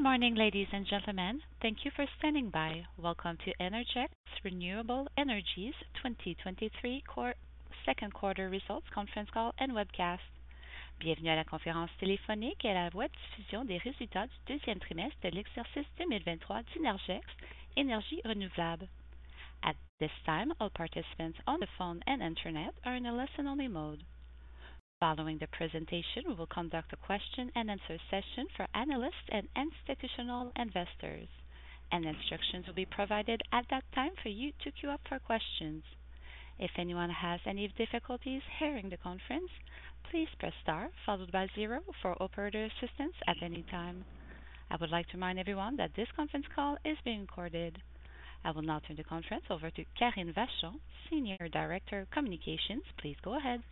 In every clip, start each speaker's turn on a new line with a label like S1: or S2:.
S1: Good morning, ladies and gentlemen. Thank you for standing by. Welcome to Innergex Renewable Energy's 2023 Second Quarter Results Conference Call and Webcast. Bienvenue à la conférence telephonique et la diffusion des resultats du deuxieme trimestre de l'exercice 2023 d'Innergex Energie Renouvable. At this time, all participants on the phone and Internet are in a listen-only mode. Following the presentation, we will conduct a question-and-answer session for analysts and institutional investors, and instructions will be provided at that time for you to queue up for questions. If anyone has any difficulties hearing the conference, please press star followed by zero for operator assistance at any time. I would like to remind everyone that this conference call is being recorded. I will now turn the conference over to Karine Vachon, Senior Director of Communications. Please go ahead.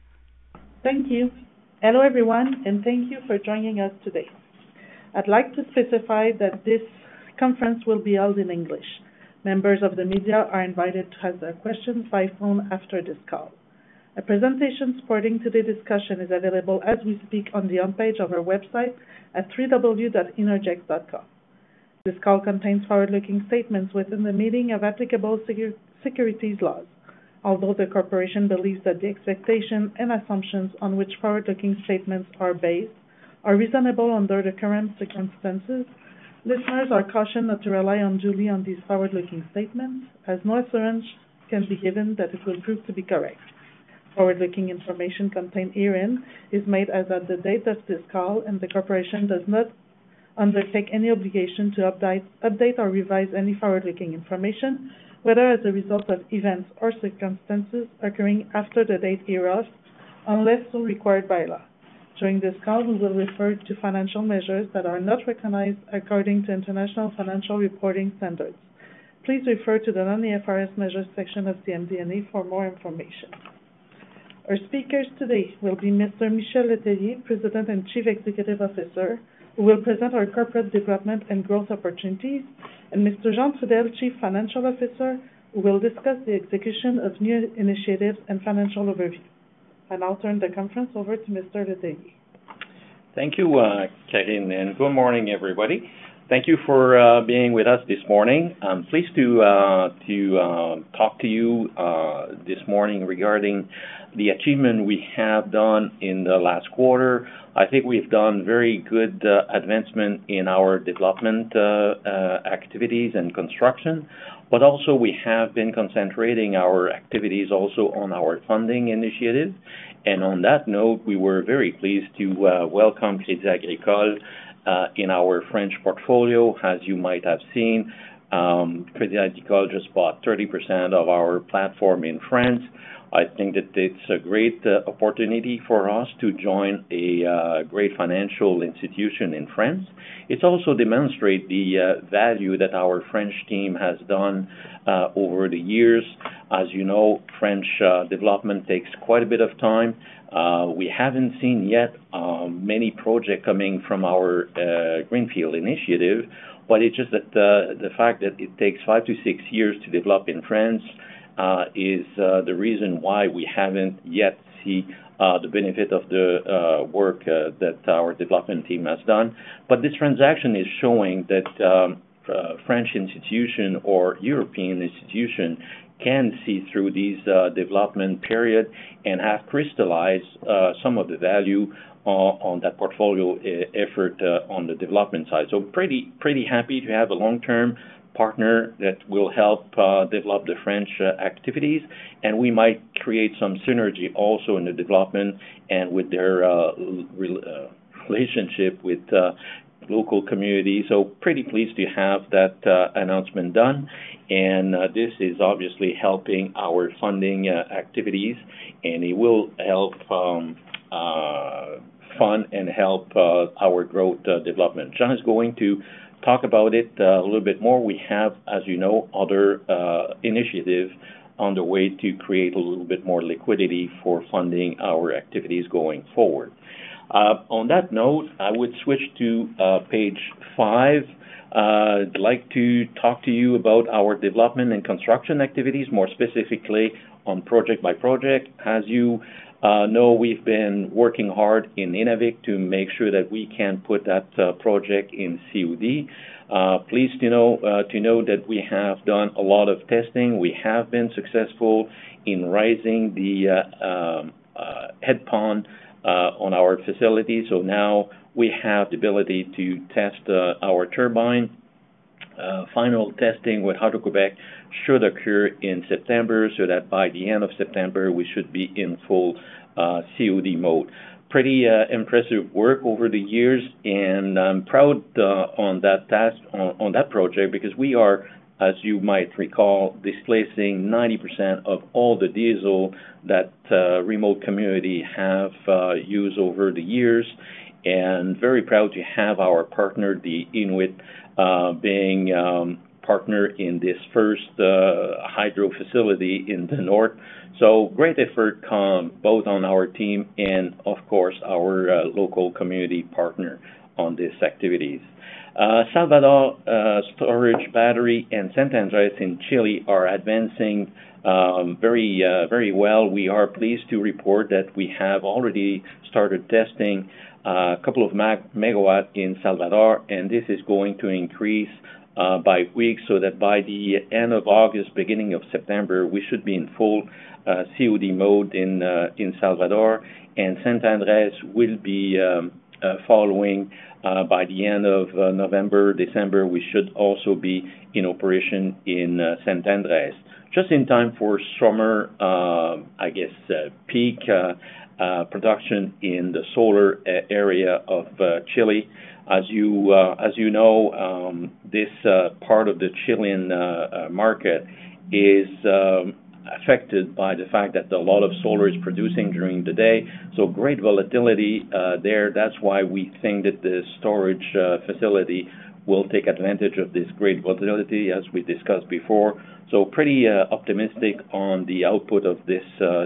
S2: Thank you. Hello, everyone, and thank you for joining us today. I'd like to specify that this conference will be held in English. Members of the media are invited to ask their questions by phone after this call. A presentation supporting today's discussion is available as we speak on the homepage of our website at www.innergex.com. This call contains forward-looking statements within the meaning of applicable securities laws. Although the Corporation believes that the expectations and assumptions on which forward-looking statements are based are reasonable under the current circumstances, listeners are cautioned not to rely unduly on these forward-looking statements, as no assurance can be given that it will prove to be correct. Forward-looking information contained herein is made as of the date of this call, and the Corporation does not undertake any obligation to update, update or revise any forward-looking information, whether as a result of events or circumstances occurring after the date hereof, unless so required by law. During this call, we will refer to financial measures that are not recognized according to International Financial Reporting Standards. Please refer to the Non-IFRS Measures section of the MD&A for more information. Our speakers today will be Mr. Michel Letellier, President and Chief Executive Officer, who will present our corporate development and growth opportunities, and Mr. Jean Trudel, Chief Financial Officer, who will discuss the execution of new initiatives and financial overview. I now turn the conference over to Mr. Letellier.
S3: Thank you, Karine, and good morning, everybody. Thank you for being with us this morning. I'm pleased to talk to you this morning regarding the achievement we have done in the last quarter. I think we've done very good advancement in our development activities and construction, but also we have been concentrating our activities also on our funding initiatives. On that note, we were very pleased to welcome Crédit Agricole in our French portfolio. As you might have seen, Crédit Agricole just bought 30% of our platform in France. I think that it's a great opportunity for us to join a great financial institution in France. It also demonstrate the value that our French team has done over the years. As you know, French development takes quite a bit of time. We haven't seen yet many projects coming from our greenfield initiative, but it's just that the fact that it takes five to six years to develop in France is the reason why we haven't yet seen the benefit of the work that our development team has done. This transaction is showing that French institution or European institution can see through these development period and have crystallized some of the value on that portfolio e-effort on the development side. Pretty, pretty happy to have a long-term partner that will help develop the French activities, and we might create some synergy also in the development and with their rel relationship with local communities. Pretty pleased to have that announcement done, and this is obviously helping our funding activities, and it will help fund and help our growth development. Jean is going to talk about it a little bit more. We have, as you know, other initiatives on the way to create a little bit more liquidity for funding our activities going forward. On that note, I would switch to page five. I'd like to talk to you about our development and construction activities, more specifically on project by project. As you know, we've been working hard in Innavik to make sure that we can put that project in COD. Pleased to know to know that we have done a lot of testing. We have been successful in raising the head pond on our facility, so now we have the ability to test our turbine. Final testing with Hydro-Québec should occur in September, so that by the end of September, we should be in full COD mode. Pretty impressive work over the years, and I'm proud on that task, on, on that project, because we are, as you might recall, displacing 90% of all the diesel that remote community have used over the years, and very proud to have our partner, the Inuit, being partner in this first hydro facility in the north. Great effort come both on our team and, of course, our local community partner on these activities. Saint-Valentin...... storage, battery, and San Andrés in Chile are advancing, very, very well. We are pleased to report that we have already started testing, a couple of megawatt in Salvador, and this is going to increase by week, so that by the end of August, beginning of September, we should be in full COD mode in Salvador, and San Andrés will be following by the end of November, December. We should also be in operation in San Andrés, just in time for summer, I guess, peak production in the solar area of Chile. As you know, this part of the Chilean market is affected by the fact that a lot of solar is producing during the day, so great volatility there. That's why we think that the storage facility will take advantage of this great volatility, as we discussed before. Pretty optimistic on the output of this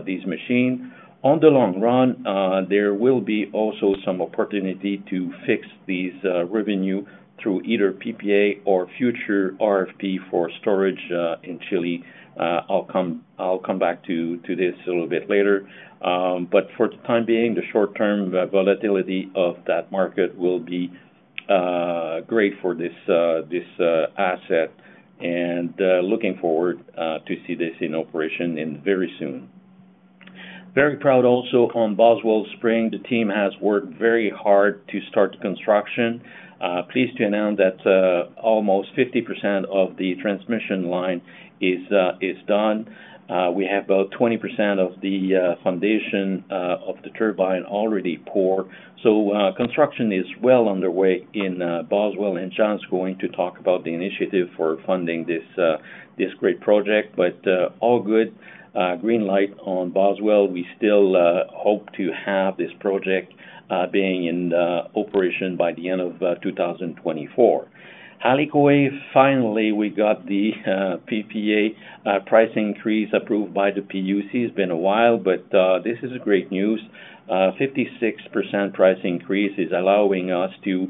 S3: these machines. On the long run, there will be also some opportunity to fix these revenue through either PPA or future RFP for storage in Chile. I'll come, I'll come back to, to this a little bit later. For the time being, the short-term volatility of that market will be great for this this asset, and looking forward to see this in operation in very soon. Very proud also on Boswell Springs. The team has worked very hard to start the construction. Pleased to announce that almost 50% of the transmission line is done. We have about 20% of the foundation of the turbine already poor. Construction is well underway in Boswell, and Jean's going to talk about the initiative for funding this great project. All good, green light on Boswell. We still hope to have this project being in operation by the end of 2024.Hale Kūʻaiwi finally, we got the PPA price increase approved by the PUC. It's been a while, but this is a great news. 56% price increase is allowing us to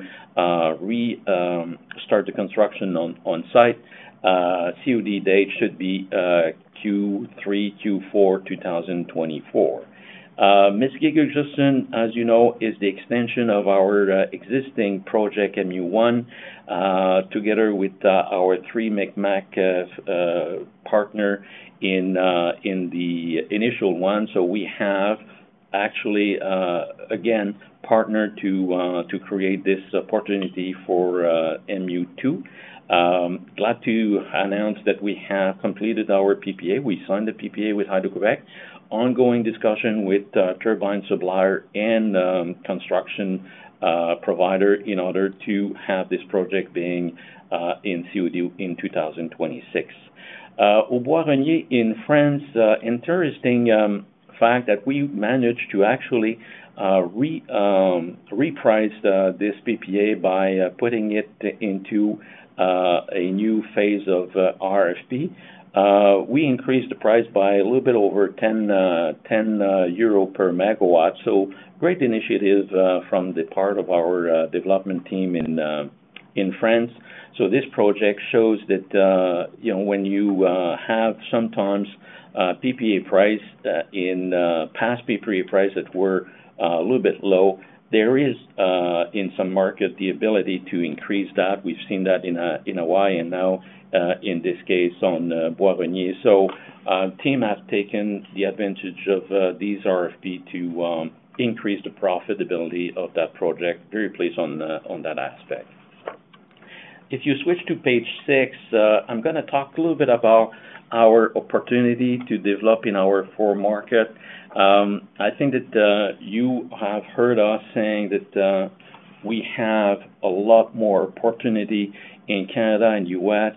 S3: re start the construction on site. COD date should be Q3, Q4 2024. Mistassini, as you know, is the extension of our existing project, MU1, together with our three Mi'gmaqpartner in the initial one. We have actually again, partnered to create this opportunity for MU2. Glad to announce that we have completed our PPA. We signed the PPA with Hydro-Québec, ongoing discussion with turbine supplier and construction provider in order to have this project being in COD in 2026. Bois-Regnier in France, interesting fact that we managed to actually reprice this PPA by putting it into a new phase of RFP. We increased the price by a little bit over 10 euro per megawatt. Great initiative from the part of our development team in France. This project shows that, you know, when you have sometimes PPA price in past PPA price that were a little bit low, there is in some market, the ability to increase that. We've seen that in Hawaii and now in this case, on Bois-Renier. Team has taken the advantage of these RFP to increase the profitability of that project. Very pleased on that aspect. If you switch to page six, I'm gonna talk a little bit about our opportunity to develop in our four market. I think that you have heard us saying that we have a lot more opportunity in Canada and U.S.,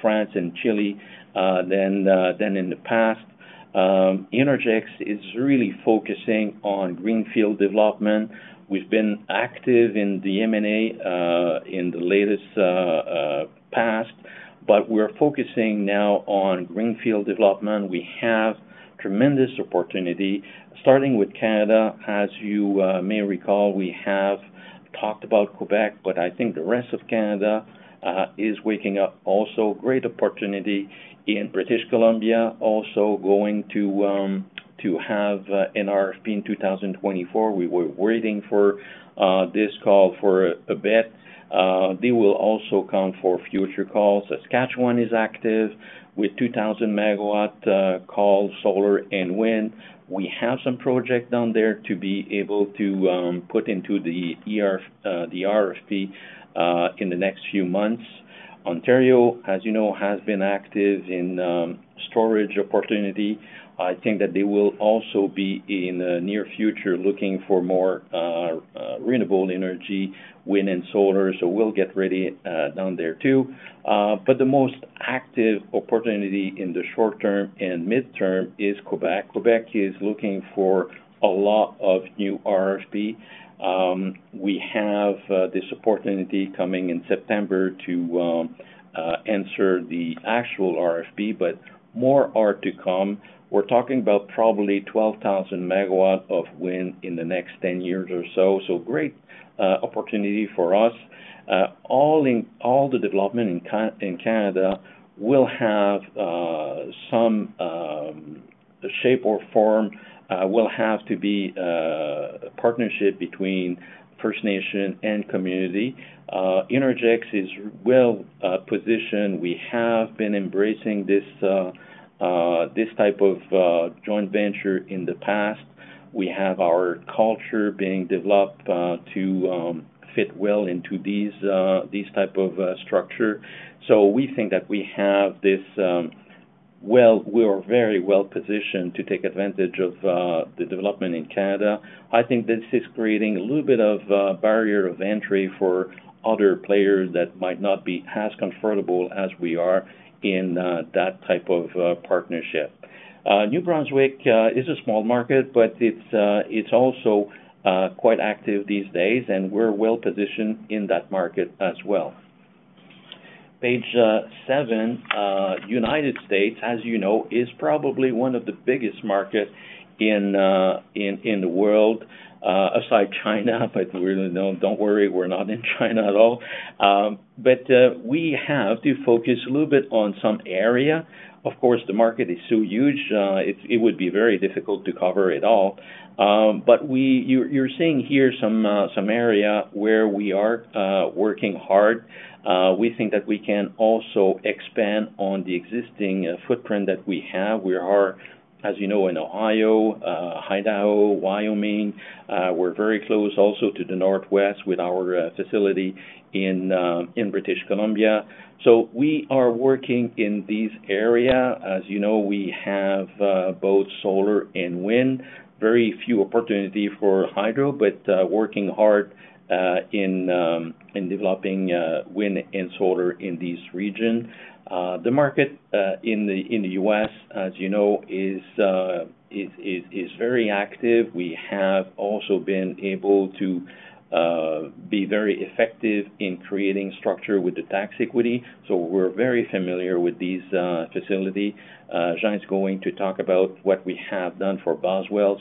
S3: France and Chile than than in the past. Innergex is really focusing on greenfield development. We've been active in the M&A in the latest past, but we're focusing now on greenfield development. We have tremendous opportunity, starting with Canada. As you may recall, we have talked about Québec, I think the rest of Canada is waking up also. Great opportunity in British Columbia, also going to have an RFP in 2024. We were waiting for this call for a bit. They will also come for future calls. Saskatchewan is active with 2,000 MW call solar and wind. We have some project down there to be able to put into the RFP in the next few months. Ontario, as you know, has been active in storage opportunity. I think that they will also be in the near future, looking for more renewable energy, wind and solar, so we'll get ready down there too. The most active opportunity in the short term and mid-term is Quebec. Quebec is looking for a lot of new RFP. We have this opportunity coming in September to answer the actual RFP, but more are to come. We're talking about probably 12,000 megawatts of wind in the next 10 years or so. Great opportunity for us. All the development in Canada will have some. the shape or form will have to be a partnership between First Nation and community. Innergex is well positioned. We have been embracing this type of joint venture in the past. We have our culture being developed to fit well into these type of structure. We think that we have this, we are very well-positioned to take advantage of the development in Canada. I think this is creating a little bit of a barrier of entry for other players that might not be as comfortable as we are in that type of partnership. New Brunswick is a small market, but it's also quite active these days, and we're well-positioned in that market as well. Page seven, United States, as you know, is probably one of the biggest market in the world, aside China. We're, no, don't worry, we're not in China at all. We have to focus a little bit on some area. Of course, the market is so huge, it would be very difficult to cover it all. You're, you're seeing here some area where we are working hard. We think that we can also expand on the existing footprint that we have. We are, as you know, in Ohio, Idaho, Wyoming. We're very close also to the Northwest with our facility in British Columbia. We are working in these area. As you know, we have both solar and wind. Very few opportunity for hydro, but working hard in developing wind and solar in these region. The market in the U.S., as you know, is very active. We have also been able to be very effective in creating structure with the tax equity, so we're very familiar with these facility. Jean is going to talk about what we have done for Boswell.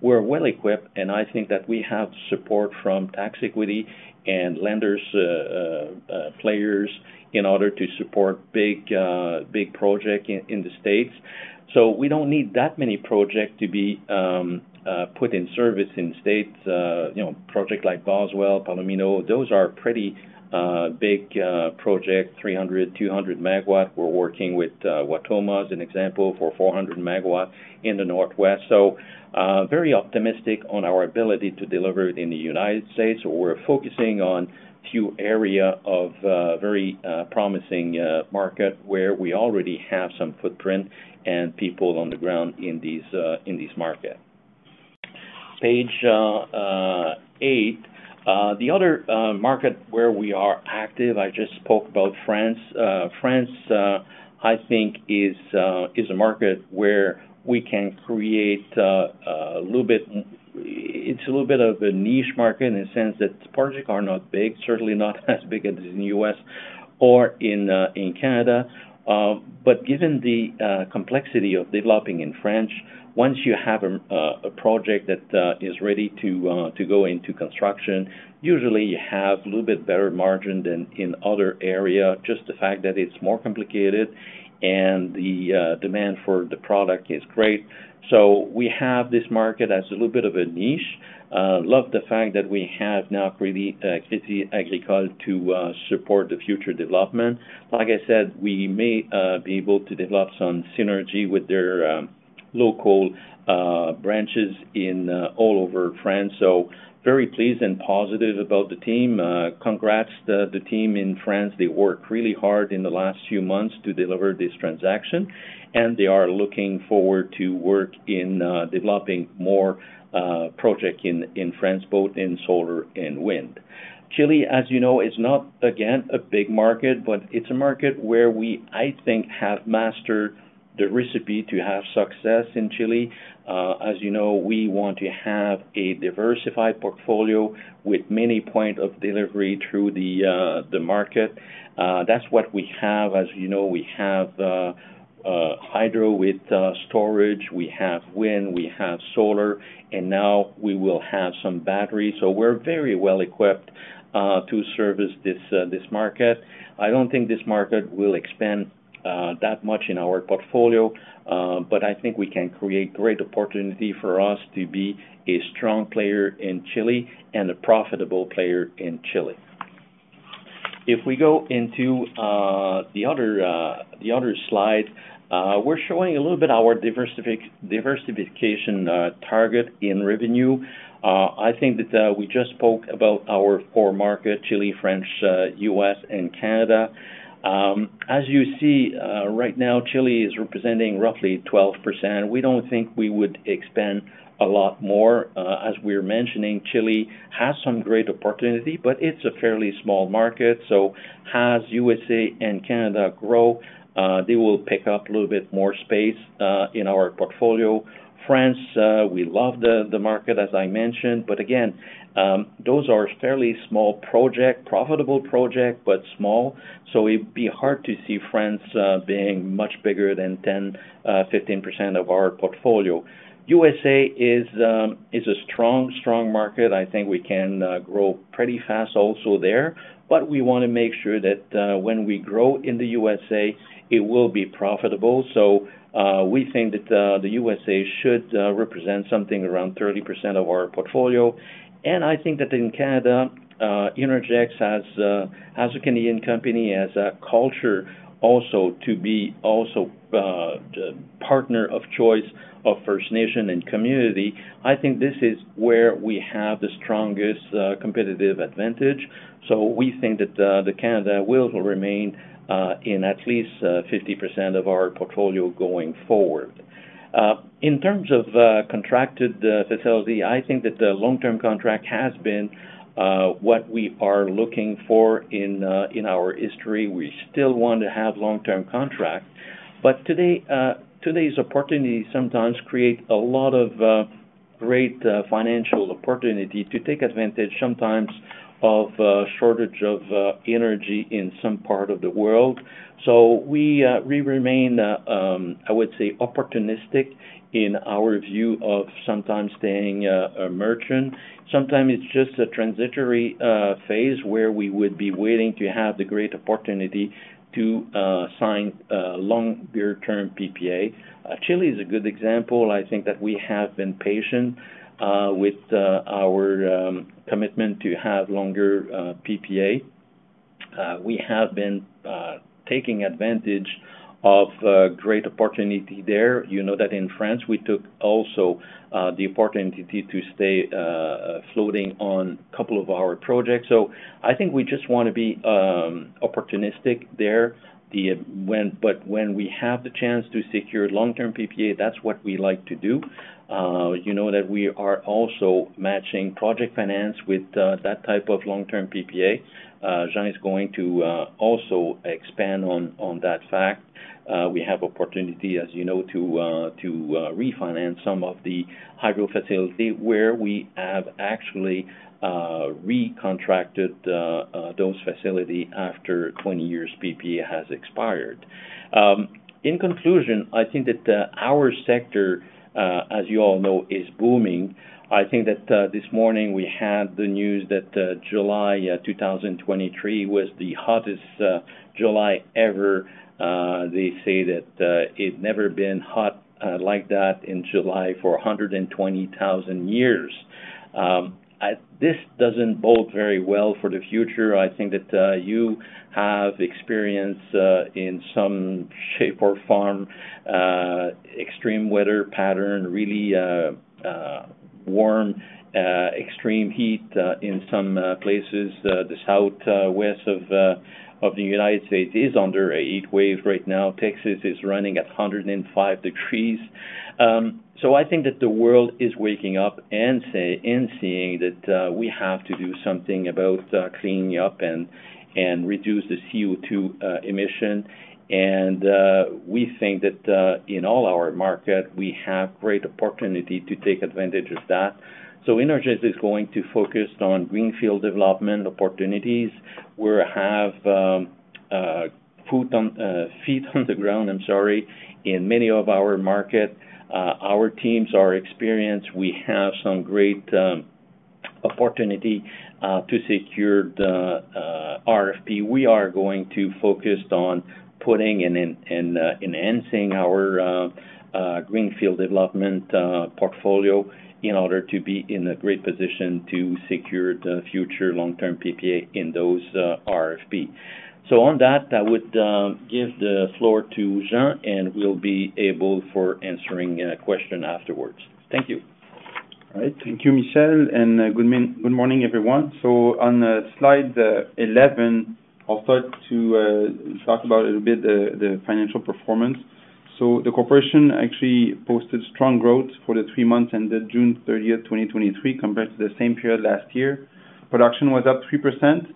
S3: We're well equipped, and I think that we have support from tax equity and lenders, players, in order to support big project in the States. We don't need that many project to be put in service in States. You know, project like Boswell, Palomino, those are pretty big project, 300 MW, 200 MW. We're working with Wautoma, as an example, for 400 MW in the Northwest. Very optimistic on our ability to deliver in the United States. We're focusing on few area of very promising market where we already have some footprint and people on the ground in these in these market. Page eight. The other market where we are active, I just spoke about France. France, I think is a market where we can create a little bit... It's a little bit of a niche market in the sense that projects are not big, certainly not as big as in the U.S. or in Canada. Given the complexity of developing in France, once you have a project that is ready to go into construction, usually you have a little bit better margin than in other area, just the fact that it's more complicated and the demand for the product is great. We have this market as a little bit of a niche. Love the fact that we have now Crédit Agricole to support the future development. Like I said, we may be able to develop some synergy with their local branches in all over France, so very pleased and positive about the team. Congrats to the team in France. They worked really hard in the last few months to deliver this transaction, and they are looking forward to work in developing more project in France, both in solar and wind. Chile, as you know, is not again, a big market, but it's a market where we, I think, have mastered the recipe to have success in Chile. As you know, we want to have a diversified portfolio with many point of delivery through the market. That's what we have. As you know, we have hydro with storage, we have wind, we have solar, and now we will have some battery. We're very well-equipped to service this market. I don't think this market will expand, that much in our portfolio, but I think we can create great opportunity for us to be a strong player in Chile and a profitable player in Chile. If we go into the other, the other slide, we're showing a little bit our diversification target in revenue. I think that we just spoke about our core market, Chile, France, U.S., and Canada. As you see, right now, Chile is representing roughly 12%. We don't think we would expand a lot more. As we're mentioning, Chile has some great opportunity, but it's a fairly small market, so as U.S. and Canada grow, they will pick up a little bit more space in our portfolio. France, we love the, the market, as I mentioned, but again, those are fairly small project, profitable project, but small. It'd be hard to see France being much bigger than 10%, 15% of our portfolio. USA is a strong, strong market. I think we can grow pretty fast also there, but we want to make sure that when we grow in the USA, it will be profitable. We think that the USA should represent something around 30% of our portfolio. I think that in Canada, Innergex as a, as a Canadian company, has a culture also to be also the partner of choice of First Nations and community. I think this is where we have the strongest competitive advantage. We think that the Canada will remain in at least 50% of our portfolio going forward. In terms of contracted the facility, I think that the long-term contract has been what we are looking for in our history. We still want to have long-term contract, but today, today's opportunity sometimes create a lot of great financial opportunity to take advantage sometimes of shortage of energy in some part of the world. We remain, I would say, opportunistic in our view of sometimes staying a merchant. Sometimes it's just a transitory phase, where we would be waiting to have the great opportunity to sign a longer-term PPA. Chile is a good example. I think that we have been patient with our commitment to have longer PPA. We have been taking advantage of great opportunity there. You know that in France, we took also the opportunity to stay floating on a couple of our projects. I think we just want to be opportunistic there. When, but when we have the chance to secure long-term PPA, that's what we like to do. You know that we are also matching project finance with that type of long-term PPA. Jean is going to also expand on that fact. We have opportunity, as you know, to to refinance some of the hydro facility, where we have actually recontracted those facility after 20 years PPA has expired. In conclusion, I think that our sector, as you all know, is booming. I think that this morning we had the news that July 2023 was the hottest July ever. They say that it never been hot like that in July for 120,000 years. This doesn't bode very well for the future. I think that you have experience in some shape or form, extreme weather pattern, really warm, extreme heat, in some places. The Southwest of the United States is under a heat wave right now. Texas is running at 105 degrees. I think that the world is waking up and seeing that we have to do something about cleaning up and reduce the CO2 emission. We think that in all our market, we have great opportunity to take advantage of that. Innergex is going to focus on greenfield development opportunities, where we have feet on the ground, I'm sorry, in many of our market. Our teams are experienced. We have some great opportunity to secure the RFP. We are going to focus on putting and enhancing our greenfield development portfolio in order to be in a great position to secure the future long-term PPA in those RFP. On that, I would give the floor to Jean, and we'll be able for answering any question afterwards. Thank you.
S4: All right, thank you, Michel, and good morning, everyone. On Slide 11, I'll start to talk about a little bit the financial performance. The corporation actually posted strong growth for the three months, ended June 30th, 2023, compared to the same period last year. Production was up 3%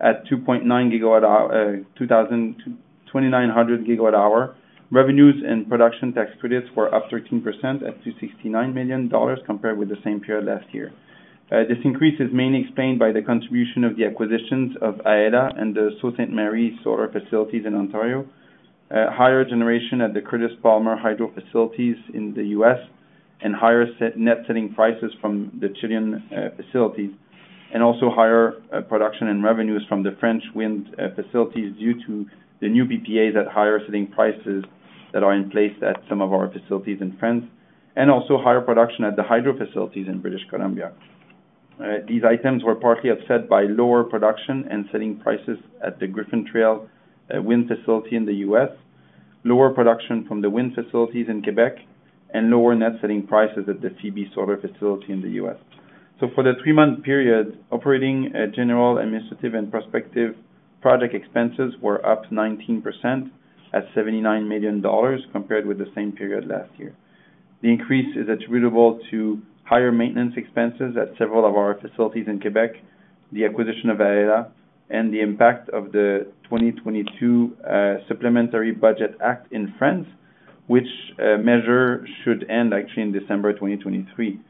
S4: at 2.9 gigawatt hour, 2,900 gigawatt hour. Revenues and production tax credits were up 13% at 269 million dollars, compared with the same period last year. This increase is mainly explained by the contribution of the acquisitions of Aela and the Sault Ste. Marie solar facilities in Ontario. Higher generation at the Curtis Palmer Hydro facilities in the U.S., and higher set, net selling prices from the Chilean facilities, and also higher production and revenues from the French wind facilities, due to the new PPAs at higher selling prices that are in place at some of our facilities in France, and also higher production at the hydro facilities in British Columbia. These items were partly offset by lower production and selling prices at the Griffin Trail wind facility in the U.S., lower production from the wind facilities in Quebec, and lower net selling prices at the Phoebe Solar facility in the U.S. For the three-month period, operating, general, administrative, and prospective project expenses were up 19% at $79 million, compared with the same period last year. The increase is attributable to higher maintenance expenses at several of our facilities in Quebec, the acquisition of Aela, and the impact of the 2022 Supplementary Budget Act in France, which measure should end actually in December 2023.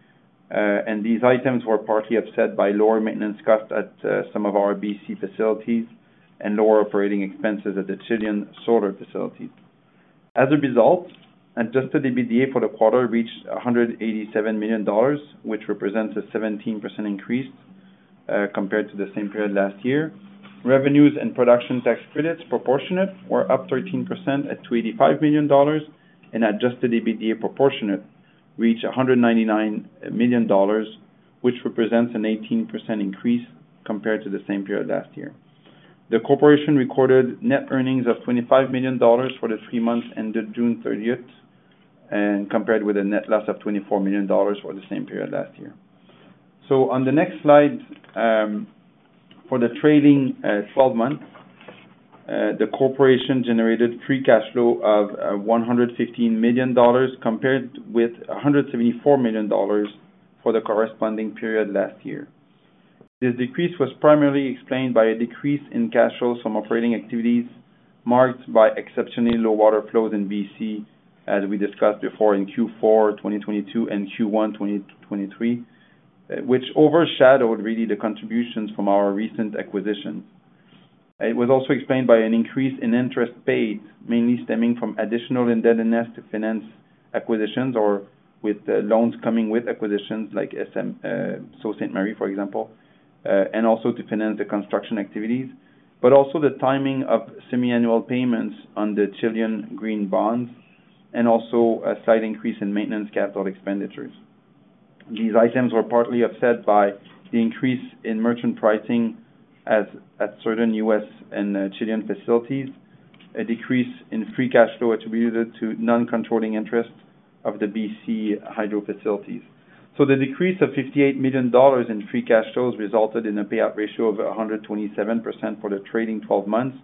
S4: These items were partly offset by lower maintenance costs at some of our BC facilities and lower operating expenses at the Chilean solar facilities. As a result, adjusted EBITDA for the quarter reached $187 million, which represents a 17% increase compared to the same period last year. Revenues and production tax credits proportionate were up 13% at $285 million, and adjusted EBITDA proportionate reached $199 million, which represents an 18% increase compared to the same period last year. The corporation recorded net earnings of $25 million for the three months, ended June 30th, and compared with a net loss of $24 million for the same period last year. On the next slide, for the trading, 12 months. The corporation generated free cash flow of $115 million, compared with $174 million for the corresponding period last year. This decrease was primarily explained by a decrease in cash flows from operating activities, marked by exceptionally low water flows in BC, as we discussed before in Q4, 2022 and Q1, 2023, which overshadowed, really, the contributions from our recent acquisitions. It was also explained by an increase in interest paid, mainly stemming from additional indebtedness to finance acquisitions or with the loans coming with acquisitions like SM, Sault Ste. Marie, for example, and also to finance the construction activities. Also the timing of semiannual payments on the Chilean green bonds, and also a slight increase in maintenance capital expenditures. These items were partly offset by the increase in merchant pricing at, at certain U.S. and Chilean facilities, a decrease in free cash flow attributed to non-controlling interest of the BC Hydro facilities. The decrease of $58 million in free cash flows resulted in a payout ratio of 127% for the trading 12 months,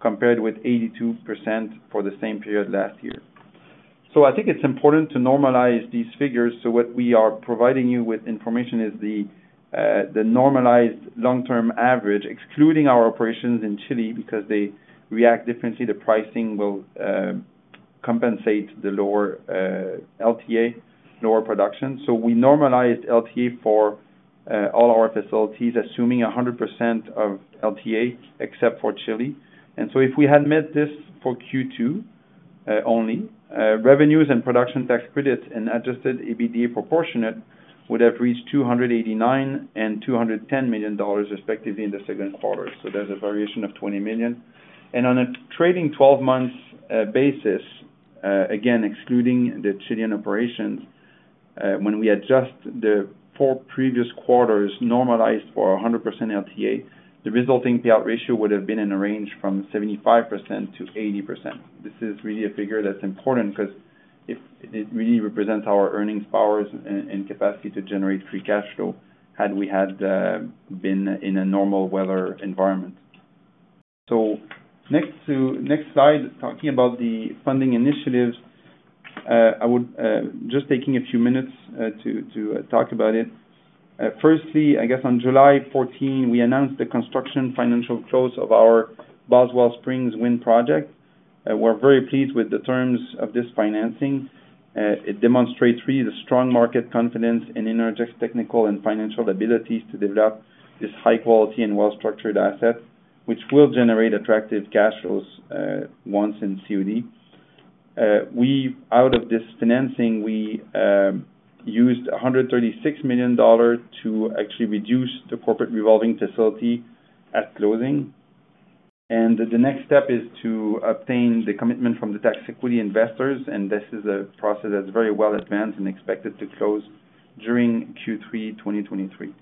S4: compared with 82% for the same period last year. I think it's important to normalize these figures, so what we are providing you with information is the normalized long-term average, excluding our operations in Chile, because they react differently. The pricing will compensate the lower LTA, lower production. We normalized LTA for all our facilities, assuming 100% of LTA, except for Chile. If we had made this for Q2 only, revenues and production tax credits and adjusted EBITDA proportionate, would have reached $289 million and $210 million, respectively, in the second quarter. There's a variation of $20 million. On a trading 12 months basis, again, excluding the Chilean operations, when we adjust the four previous quarters normalized for 100% LTA, the resulting payout ratio would have been in a range from 75%-80%. This is really a figure that's important because it, it really represents our earnings powers and, and capacity to generate free cash flow had we had been in a normal weather environment. Next slide, talking about the funding initiatives. I would just taking a few minutes to, to talk about it. Firstly, I guess on July 14th, we announced the construction financial close of our Boswell Springs Wind project. We're very pleased with the terms of this financing. It demonstrates really the strong market confidence in Innergex technical and financial abilities to develop this high quality and well-structured asset, which will generate attractive cash flows, once in COD. Out of this financing, we used $136 million to actually reduce the corporate revolving facility at closing. The next step is to obtain the commitment from the tax equity investors, and this is a process that's very well advanced and expected to close during Q3 2023.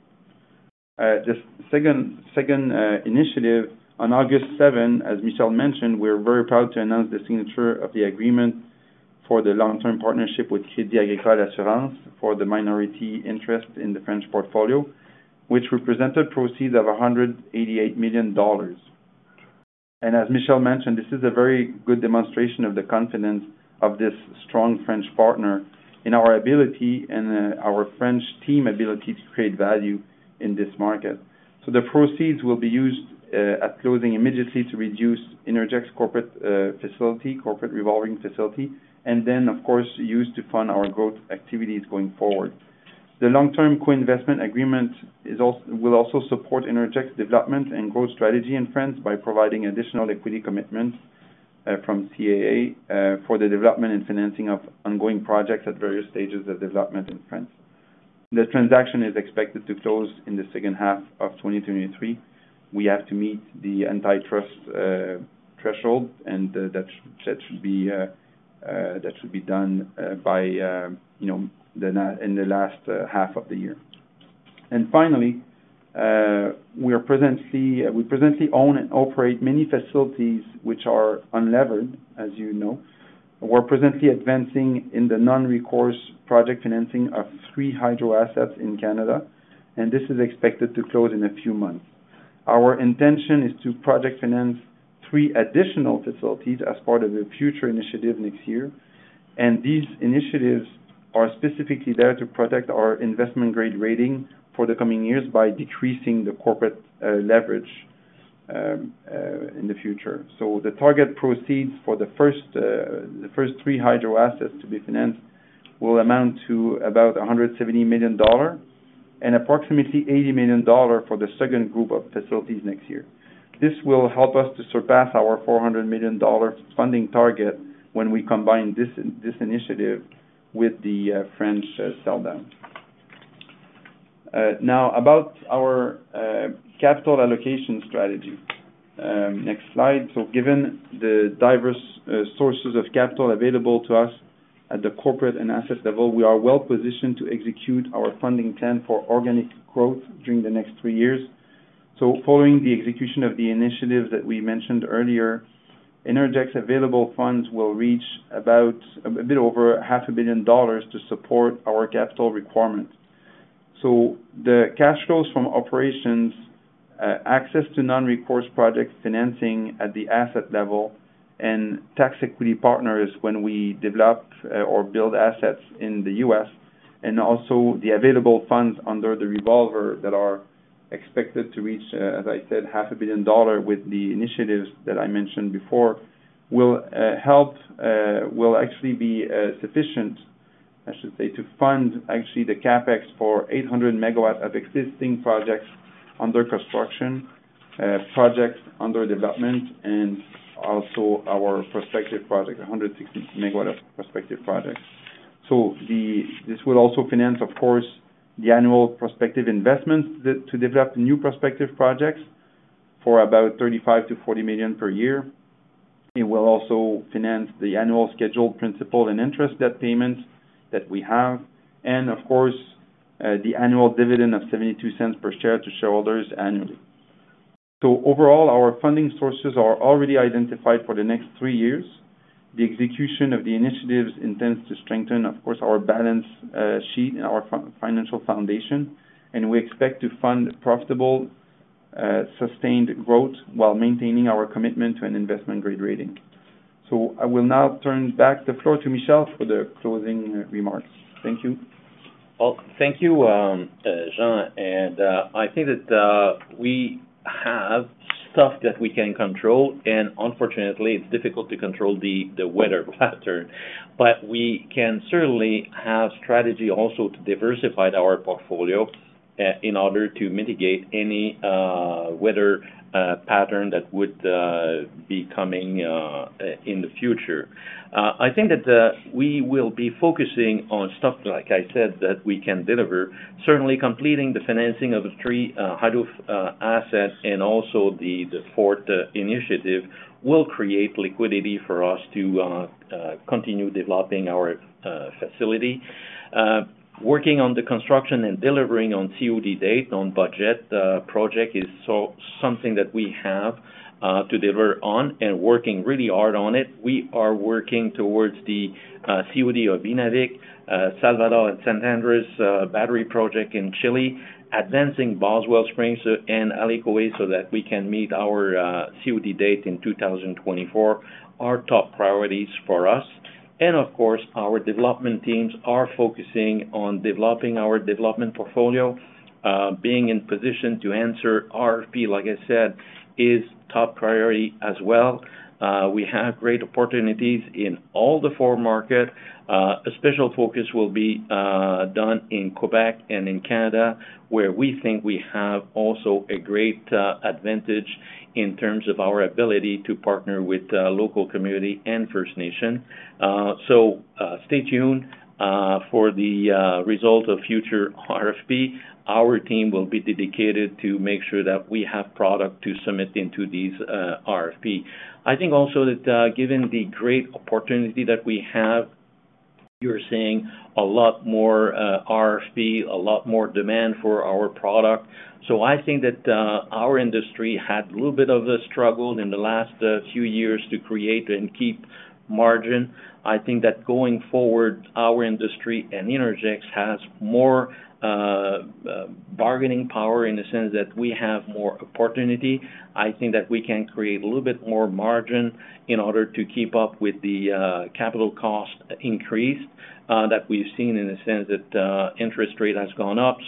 S4: The second initiative, on August 7th, as Michel mentioned, we're very proud to announce the signature of the agreement for the long-term partnership with Crédit Agricole Assurances for the minority interest in the French portfolio, which represented proceeds of $188 million. As Michel mentioned, this is a very good demonstration of the confidence of this strong French partner in our ability and our French team ability to create value in this market. The proceeds will be used at closing immediately to reduce Innergex corporate facility, corporate revolving facility, and then, of course, used to fund our growth activities going forward. The long-term co-investment agreement will also support Innergex development and growth strategy in France by providing additional equity commitments from CAA for the development and financing of ongoing projects at various stages of development in France. The transaction is expected to close in the second half of 2023. We have to meet the antitrust threshold, and that should be done by, you know, in the last half of the year. Finally, we are presently, we presently own and operate many facilities which are unlevered, as you know. We're presently advancing in the non-recourse project financing of three hydro assets in Canada, and this is expected to close in a few months. Our intention is to project finance three additional facilities as part of a future initiative next year, and these initiatives are specifically there to protect our investment-grade rating for the coming years by decreasing the corporate leverage in the future. The target proceeds for the first, the first three hydro assets to be financed will amount to about $170 million, and approximately $80 million for the second group of facilities next year. This will help us to surpass our $400 million funding target when we combine this, this initiative with the French, sell-down. Now, about our capital allocation strategy. Next slide. Given the diverse, sources of capital available to us at the corporate and asset level, we are well positioned to execute our funding plan for organic growth during the next three years. Following the execution of the initiatives that we mentioned earlier, Innergex available funds will reach about a bit over $500 million to support our capital requirements.... The cash flows from operations, access to non-recourse project financing at the asset level, and tax equity partners when we develop or build assets in the U.S., and also the available funds under the revolver that are expected to reach, as I said, 500 million dollars with the initiatives that I mentioned before, will help, will actually be sufficient, I should say, to fund actually the CapEx for 800 megawatts of existing projects under construction, projects under development, and also our prospective project, 160 megawatts prospective project. This will also finance, of course, the annual prospective investments that to develop new prospective projects for about 35 million-40 million per year. It will also finance the annual scheduled principal and interest debt payments that we have and, of course, the annual dividend of 0.72 per share to shareholders annually. Overall, our funding sources are already identified for the next three years. The execution of the initiatives intends to strengthen, of course, our balance sheet and our financial foundation, and we expect to fund profitable sustained growth while maintaining our commitment to an investment-grade rating. I will now turn back the floor to Michel for the closing remarks. Thank you.
S3: Well, thank you, Jean. I think that we have stuff that we can control, and unfortunately, it's difficult to control the weather pattern. We can certainly have strategy also to diversify our portfolio in order to mitigate any weather pattern that would be coming in the future. I think that we will be focusing on stuff, like I said, that we can deliver. Certainly, completing the financing of the three hydro assets and also the fourth initiative will create liquidity for us to continue developing our facility. Working on the construction and delivering on COD date on budget project is so something that we have to deliver on and working really hard on it. We are working towards the COD of Innavik, Salvador and San Andrés battery project in Chile, advancing Boswell Springs and Aleko so that we can meet our COD date in 2024, are top priorities for us. Of course, our development teams are focusing on developing our development portfolio. Being in position to answer RFP, like I said, is top priority as well. We have great opportunities in all the four market. A special focus will be done in Québec and in Canada, where we think we have also a great advantage in terms of our ability to partner with local community and First Nations. Stay tuned for the result of future RFP. Our team will be dedicated to make sure that we have product to submit into these RFP. I think also that, given the great opportunity that we have, you're seeing a lot more RFP, a lot more demand for our product. I think that, our industry had a little bit of a struggle in the last few years to create and keep margin. I think that going forward, our industry and Innergex has more bargaining power in the sense that we have more opportunity. I think that we can create a little bit more margin in order to keep up with the capital cost increase that we've seen in the sense that interest rate has gone up.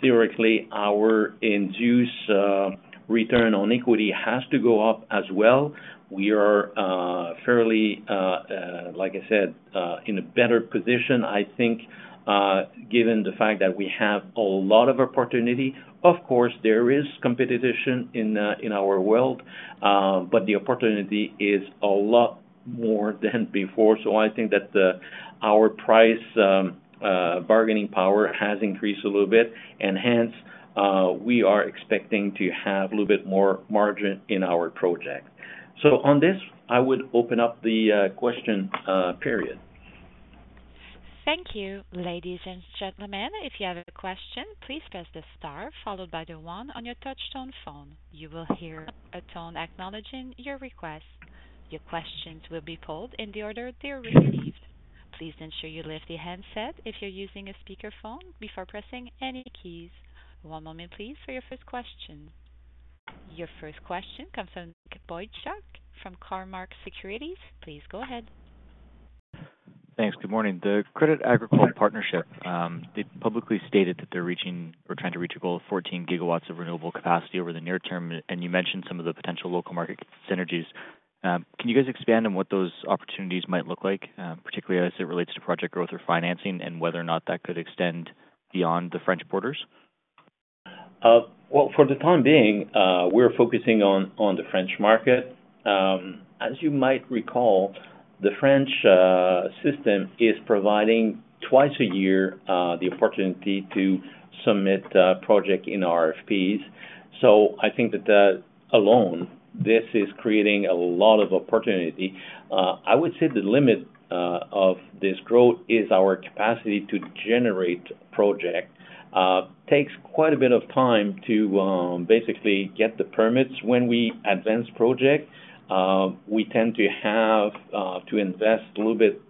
S3: Theoretically, our induced return on equity has to go up as well. We are fairly, like I said, in a better position, I think, given the fact that we have a lot of opportunity. Of course, there is competition in our world, but the opportunity is a lot more than before. I think that the, our price bargaining power has increased a little bit, and hence, we are expecting to have a little bit more margin in our project. On this, I would open up the question period.
S1: Thank you. Ladies and gentlemen, if you have a question, please press the star followed by the 1 on your touchtone phone. You will hear a tone acknowledging your request. Your questions will be pulled in the order they are received. Please ensure you lift the handset if you're using a speakerphone before pressing any keys. 1 moment, please, for your first question. Your first question comes from Nick Boychuk from Cormark Securities. Please go ahead.
S5: Thanks. Good morning. The Crédit Agricole partnership, they publicly stated that they're reaching or trying to reach a goal of 14 gigawatts of renewable capacity over the near term, and you mentioned some of the potential local market synergies. Can you guys expand on what those opportunities might look like, particularly as it relates to project growth or financing, and whether or not that could extend beyond the French borders?
S3: Well, for the time being, we're focusing on, on the French market. As you might recall, the French system is providing twice a year, the opportunity to submit project in RFPs. I think that that alone, this is creating a lot of opportunity. I would say the limit of this growth is our capacity to generate project. Takes quite a bit of time to basically get the permits. When we advance project, we tend to have to invest a little bit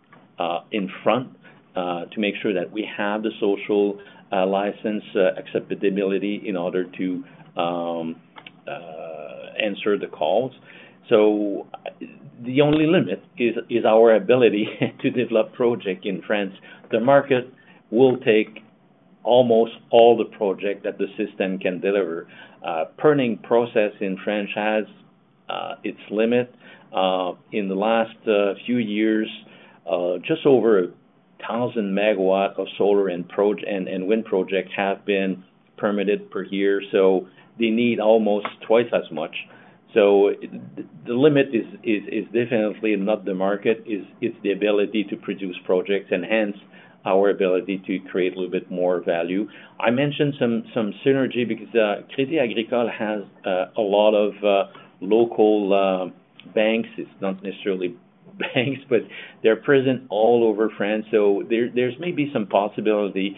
S3: in front to make sure that we have the social license acceptability in order to answer the calls. The only limit is, is our ability to develop project in France. The market will take almost all the project that the system can deliver. Permitting process in France has its limit. In the last few years, just over 1,000 megawatts of solar and wind projects have been permitted per year, so they need almost twice as much. The limit is definitely not the market, it's the ability to produce projects and hence our ability to create a little bit more value. I mentioned some synergy because Crédit Agricole has a lot of local banks. It's not necessarily banks, but they're present all over France, so there's may be some possibility,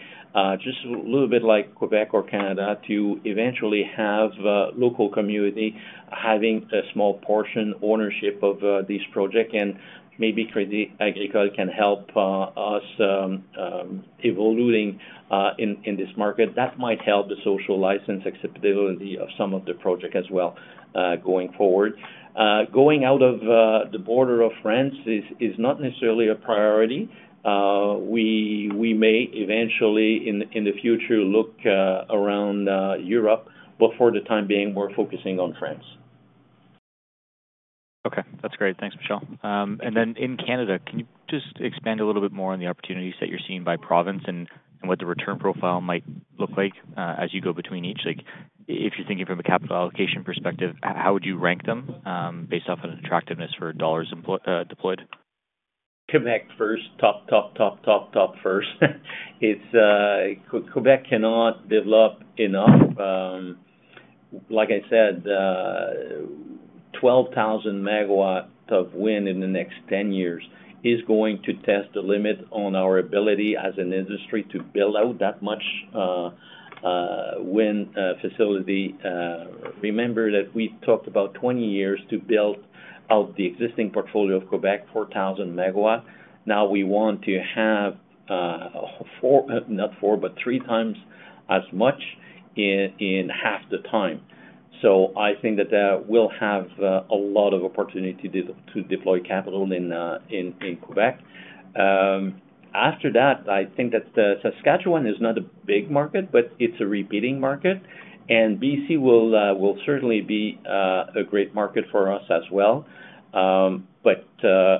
S3: just a little bit like Quebec or Canada, to eventually have local community having a small portion ownership of this project, and maybe Crédit Agricole can help us evoluting in this market. That might help the social license acceptability of some of the project as well, going forward. Going out of the border of France is not necessarily a priority. We, we may eventually, in, in the future, look around Europe, but for the time being, we're focusing on France.
S5: Okay, that's great. Thanks, Michel. In Canada, can you just expand a little bit more on the opportunities that you're seeing by province and, and what the return profile might look like as you go between each? If you're thinking from a capital allocation perspective, how, how would you rank them based off on attractiveness for dollars employ- deployed?
S3: Quebec first. Top, top, top, top, top first. It's Quebec cannot develop enough. like I said, 12,000 megawatts of wind in the next 10 years is going to test the limit on our ability as an industry to build out that much wind facility. Remember that we talked about 20 years to build out the existing portfolio of Quebec, 4,000 megawatts. Now, we want to have 4, not 4, but 3 times as much in, in half the time. I think that we'll have a lot of opportunity to deploy capital in Quebec. After that, I think that Saskatchewan is not a big market, but it's a repeating market. BC will certainly be a great market for us as well.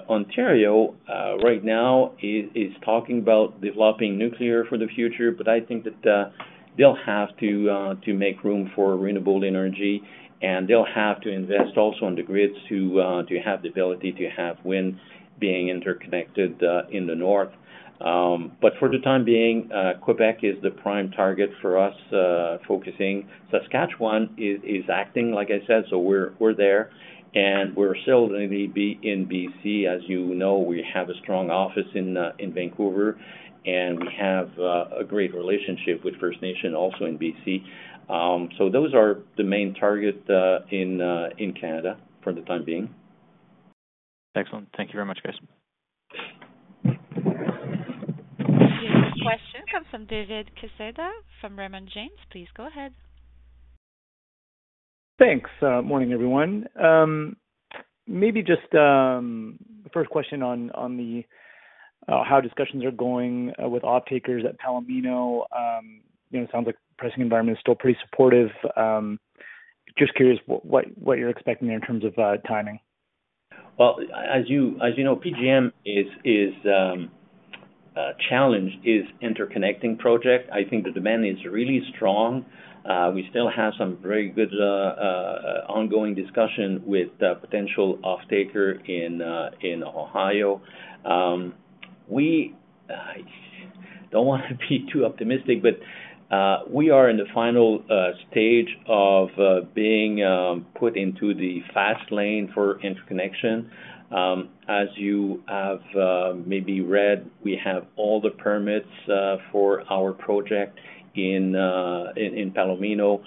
S3: Ontario right now is, is talking about developing nuclear for the future, but I think that they'll have to to make room for renewable energy, and they'll have to invest also in the grids to to have the ability to have wind being interconnected in the north. For the time being, Quebec is the prime target for us, focusing. Saskatchewan is, is acting, like I said, so we're, we're there, and we're still going to be in BC. As you know, we have a strong office in Vancouver, and we have a great relationship with First Nations, also in BC. Those are the main targets in Canada for the time being.
S5: Excellent. Thank you very much, guys.
S1: Your next question comes from David Quezada, from Raymond James. Please go ahead.
S6: Thanks. Morning, everyone. Maybe just, first question on, on the, how discussions are going, with off-takers at Palomino? You know, it sounds like pricing environment is still pretty supportive. Just curious what, what, what you're expecting there in terms of, timing?
S3: Well, as you know, PJM is challenge is interconnecting project. I think the demand is really strong. We still have some very good ongoing discussion with the potential off-taker in Ohio. We don't want to be too optimistic, but we are in the final stage of being put into the fast lane for interconnection. As you have maybe read, we have all the permits for our project in Palomino.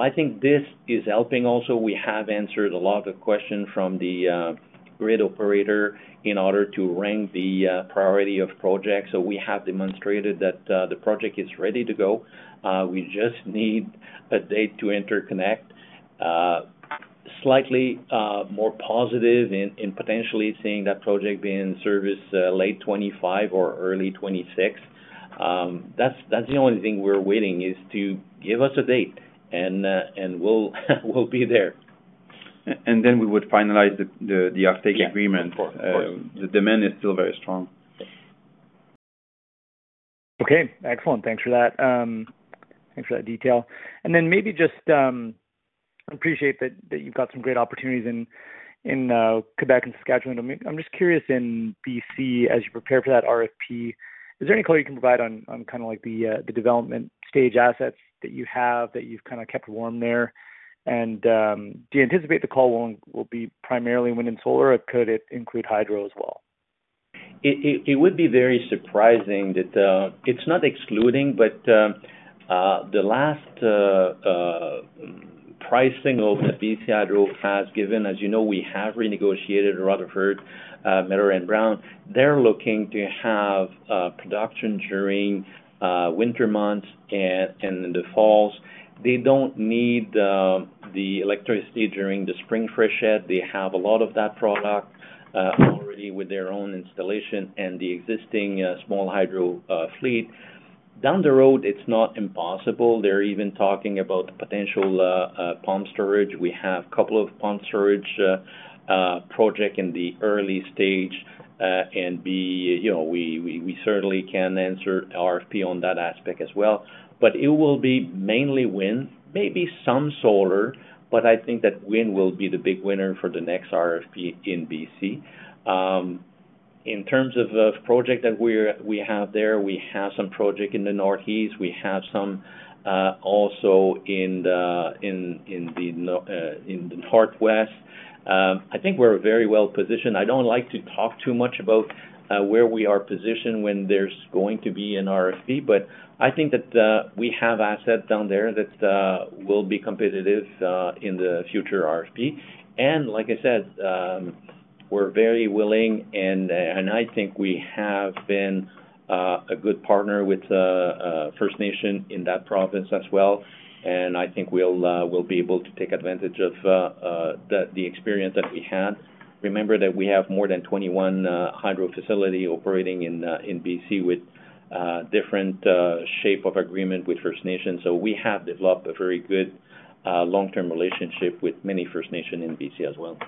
S3: I think this is helping. Also, we have answered a lot of questions from the grid operator in order to rank the priority of projects. We have demonstrated that the project is ready to go. We just need a date to interconnect. slightly more positive in, in potentially seeing that project be in service, late 2025 or early 2026. That's, that's the only thing we're waiting, is to give us a date and, and we'll, we'll be there.
S4: And then we would finalize the, the, the off-take agreement.
S3: Yeah, of course.
S4: The demand is still very strong.
S6: Okay, excellent. Thanks for that. Thanks for that detail. Maybe just, appreciate that, that you've got some great opportunities in, in Québec and Saskatchewan. I'm just curious, in B.C., as you prepare for that RFP, is there any color you can provide on, on kind of like the development stage assets that you have, that you've kind of kept warm there? Do you anticipate the call will be primarily wind and solar, or could it include hydro as well?
S3: It, it, it would be very surprising that. It's not excluding, but, the last pricing of the BC Hydro has given. As you know, we have renegotiated Rutherford, Miller and Brown. They're looking to have production during winter months and in the falls. They don't need the electricity during the spring fresh ed. They have a lot of that product already with their own installation and the existing small hydro fleet. Down the road, it's not impossible. They're even talking about potential pumped storage. We have a couple of pumped storage project in the early stage, and be, you know, we, we, we certainly can answer RFP on that aspect as well. It will be mainly wind, maybe some solar, but I think that wind will be the big winner for the next RFP in BC. In terms of the project that we have there, we have some project in the Northeast. We have some, also in the Northwest. I think we're very well-positioned. I don't like to talk too much about where we are positioned when there's going to be an RFP, but I think that we have assets down there that will be competitive in the future RFP. Like I said, we're very willing, and I think we have been a good partner with the First Nations in that province as well. I think we'll, we'll be able to take advantage of the experience that we had. Remember that we have more than 21 hydro facility operating in BC with different shape of agreement with First Nations, so we have developed a very good long-term relationship with many First Nations in BC as well.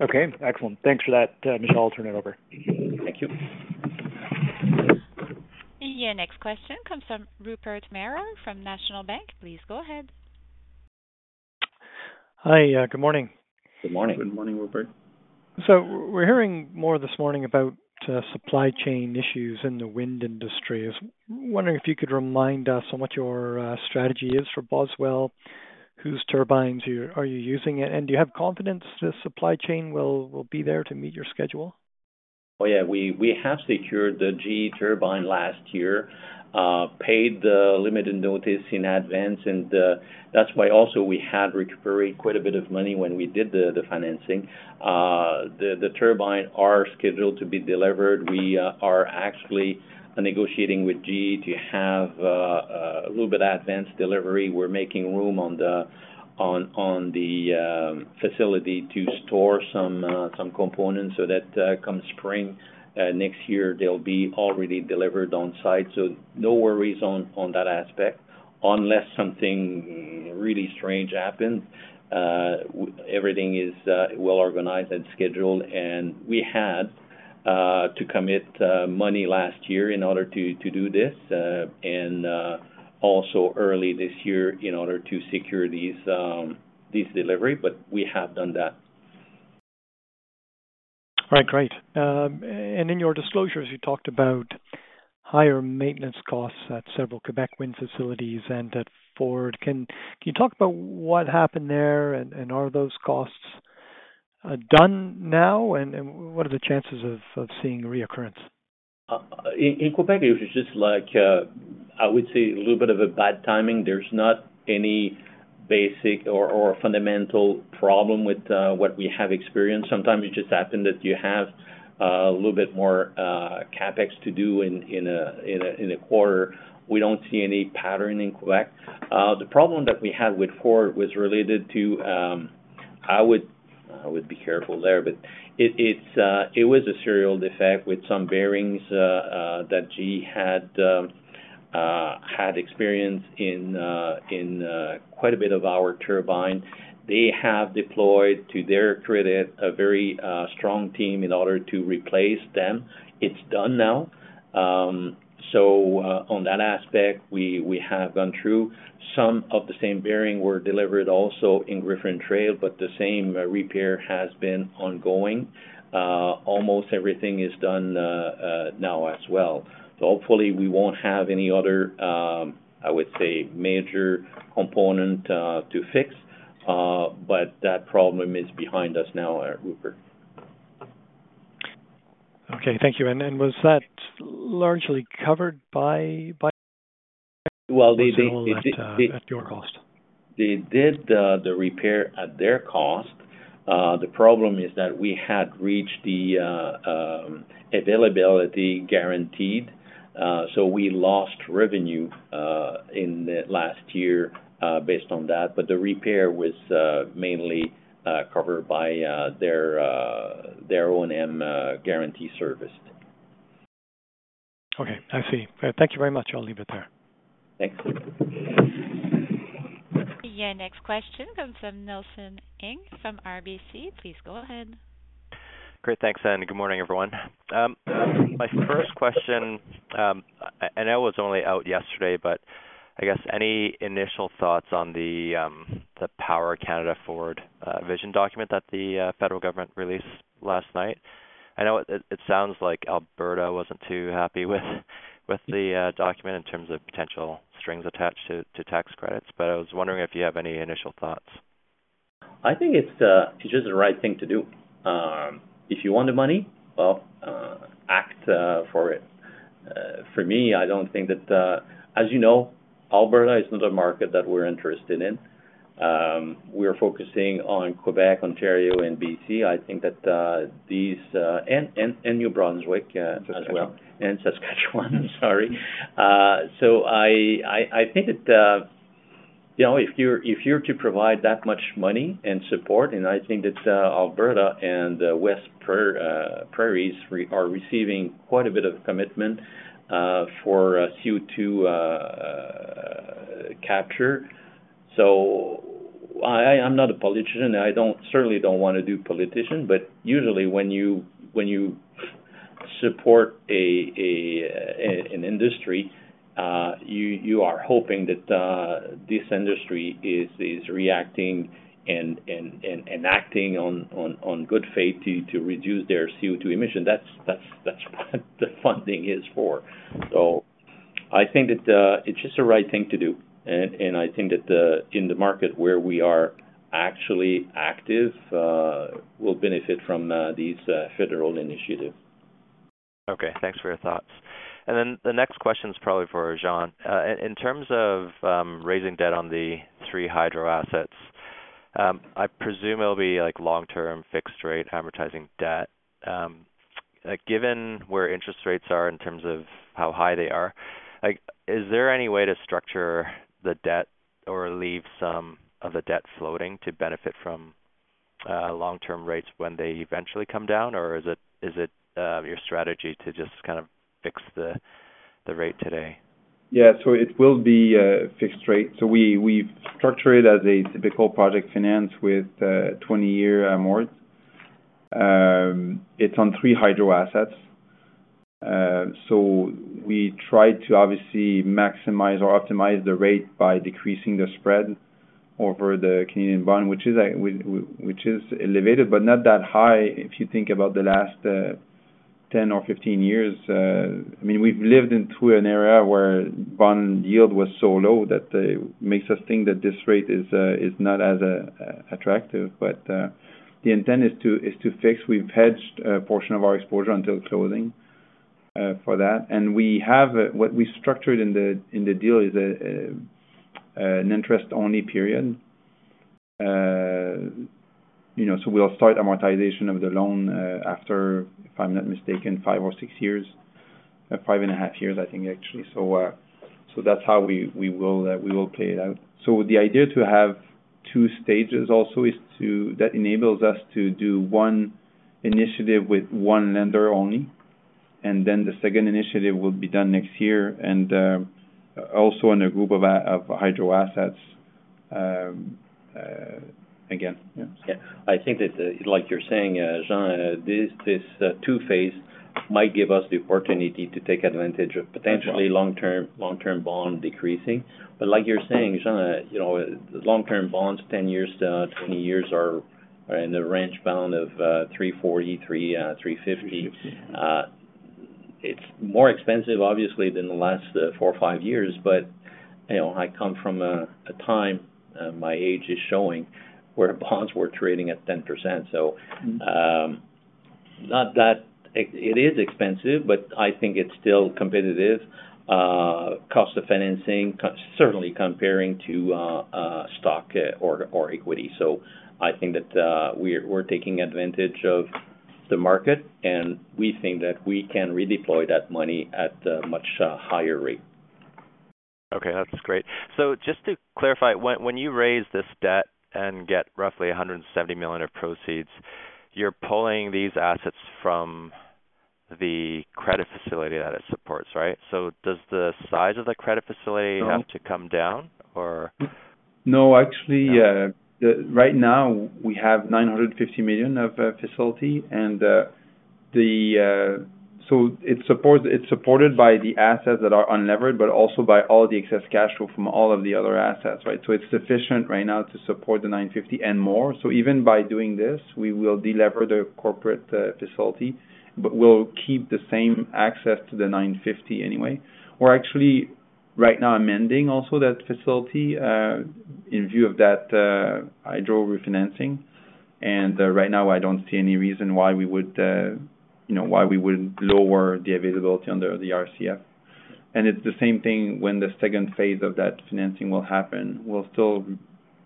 S6: Okay, excellent. Thanks for that, Michel. I'll turn it over.
S3: Thank you.
S1: Your next question comes from Rupert Merer from National Bank. Please go ahead.
S7: Hi, good morning.
S3: Good morning.
S4: Good morning, Rupert.
S7: We're hearing more this morning about supply chain issues in the wind industry. I was wondering if you could remind us on what your strategy is for Boswell, whose turbines are you using it, and do you have confidence the supply chain will, will be there to meet your schedule?
S3: Oh, yeah, we, we have secured the GE turbine last year, paid the limited notice in advance, and that's why also we had recovered quite a bit of money when we did the financing. The turbine are scheduled to be delivered. We are actually negotiating with GE to have a little bit advanced delivery. We're making room on the facility to store some components so that come spring next year, they'll be already delivered on site. No worries on that aspect. Unless something really strange happens, everything is well-organized and scheduled, and we had to commit money last year in order to do this and also early this year in order to secure these delivery, but we have done that.
S7: All right, great. In your disclosures, you talked about higher maintenance costs at several Québec wind facilities and at Foard City. Can you talk about what happened there, are those costs done now? What are the chances of seeing reoccurrence?
S3: In, in Quebec, it was just like, I would say, a little bit of a bad timing. There's not any basic or fundamental problem with what we have experienced. Sometimes it just happened that you have a little bit more CapEx to do in a quarter. We don't see any pattern in Quebec. The problem that we had with Foard was related to, I would- I would be careful there, but it's, it was a serial defect with some bearings that GE had experienced in quite a bit of our turbine. They have deployed, to their credit, a very strong team in order to replace them. It's done now. On that aspect, we, we have gone through. Some of the same bearing were delivered also in Griffin Trail. The same repair has been ongoing. Almost everything is done now as well. Hopefully we won't have any other, I would say, major component to fix. That problem is behind us now, Rupert.
S7: Okay, thank you. Was that largely covered by, by-?
S3: Well.
S7: At your cost.
S3: They did the, the repair at their cost. The problem is that we had reached the availability guaranteed, so we lost revenue in the last year, based on that, but the repair was mainly covered by their their O&M guarantee service.
S7: Okay, I see. Thank you very much. I'll leave it there.
S3: Thanks.
S1: Your next question comes from Nelson Ng from RBC. Please go ahead.
S8: Great. Thanks, and good morning, everyone. My first question, I know it was only out yesterday, but I guess any initial thoughts on the Powering Canada Forward vision document that the federal government released last night? I know it, it sounds like Alberta wasn't too happy with with the document in terms of potential strings attached to, to tax credits, but I was wondering if you have any initial thoughts.
S3: I think it's just the right thing to do. If you want the money for it. For me, I don't think that, as you know, Alberta is not a market that we're interested in. We are focusing on Quebec, Ontario, and BC. I think that these, and New Brunswick, as well, and Saskatchewan, sorry. I think that, you know, if you're, if you're to provide that much money and support, and I think that Alberta and West prairies are receiving quite a bit of commitment for CO2 capture. I'm not a politician, I don't certainly don't wanna do politician, but usually when you, when you support an industry, you are hoping that this industry is reacting and acting on good faith to reduce their CO2 emission. That's, that's, that's what the funding is for. I think that it's just the right thing to do, and I think that in the market where we are actually active, we'll benefit from these federal initiatives.
S8: Okay, thanks for your thoughts. The next question is probably for Jean. In terms of raising debt on the three hydro assets, I presume it'll be long-term fixed-rate amortizing debt. Given where interest rates are in terms of how high they are, is there any way to structure the debt or leave some of the debt floating to benefit from long-term rates when they eventually come down? Or is it, is it your strategy to just kind of fix the rate today?
S4: Yeah. It will be fixed rate. We, we structure it as a typical project finance with 20-year amort. It's on three hydro assets. We try to obviously maximize or optimize the rate by decreasing the spread over the Canadian bond, which is, which is elevated, but not that high if you think about the last 10 years or 15 years. I mean, we've lived into an era where bond yield was so low that makes us think that this rate is not as attractive. The intent is to, is to fix. We've hedged a portion of our exposure until closing for that. We have, what we structured in the, in the deal is an interest-only period. you know, we'll start amortization of the loan, after, if I'm not mistaken, five years or six years. 5.5 years, I think, actually. That's how we, we will, we will play it out. The idea to have two stages also is to-- that enables us to do one initiative with one lender only, and then the second initiative will be done next year, and also in a group of hydro assets, again, yeah.
S3: Yeah. I think that, like you're saying, Jean, this, this, two phase might give us the opportunity to take advantage of potentially long-term, long-term bond decreasing. Like you're saying, Jean, you know, long-term bonds, 10 years-20 years, are in the range bound of 3.40%-3.50%. It's more expensive, obviously, than the last four or five years but, you know, I come from a, a time, my age is showing, where bonds were trading at 10%. Not that... It, it is expensive, but I think it's still competitive, cost of financing, certainly comparing to, stock, or, or equity. I think that, we're, we're taking advantage of the market, and we think that we can redeploy that money at a much, higher rate.
S8: Okay, that's great. Just to clarify, when you raise this debt and get roughly 170 million of proceeds, you're pulling these assets from the credit facility that it supports, right? Does the size of the credit facility-
S4: No.
S8: have to come down or?
S4: No, actually, right now, we have $950 million of facility, and it's support, it's supported by the assets that are unlevered, but also by all the excess cash flow from all of the other assets, right? It's sufficient right now to support the $950 and more. Even by doing this, we will delever the corporate facility, but we'll keep the same access to the $950 anyway. We're actually right now amending also that facility in view of that hydro refinancing. Right now, I don't see any reason why we would, you know, why we would lower the availability under the RCF. It's the same thing when the second phase of that financing will happen. We'll still,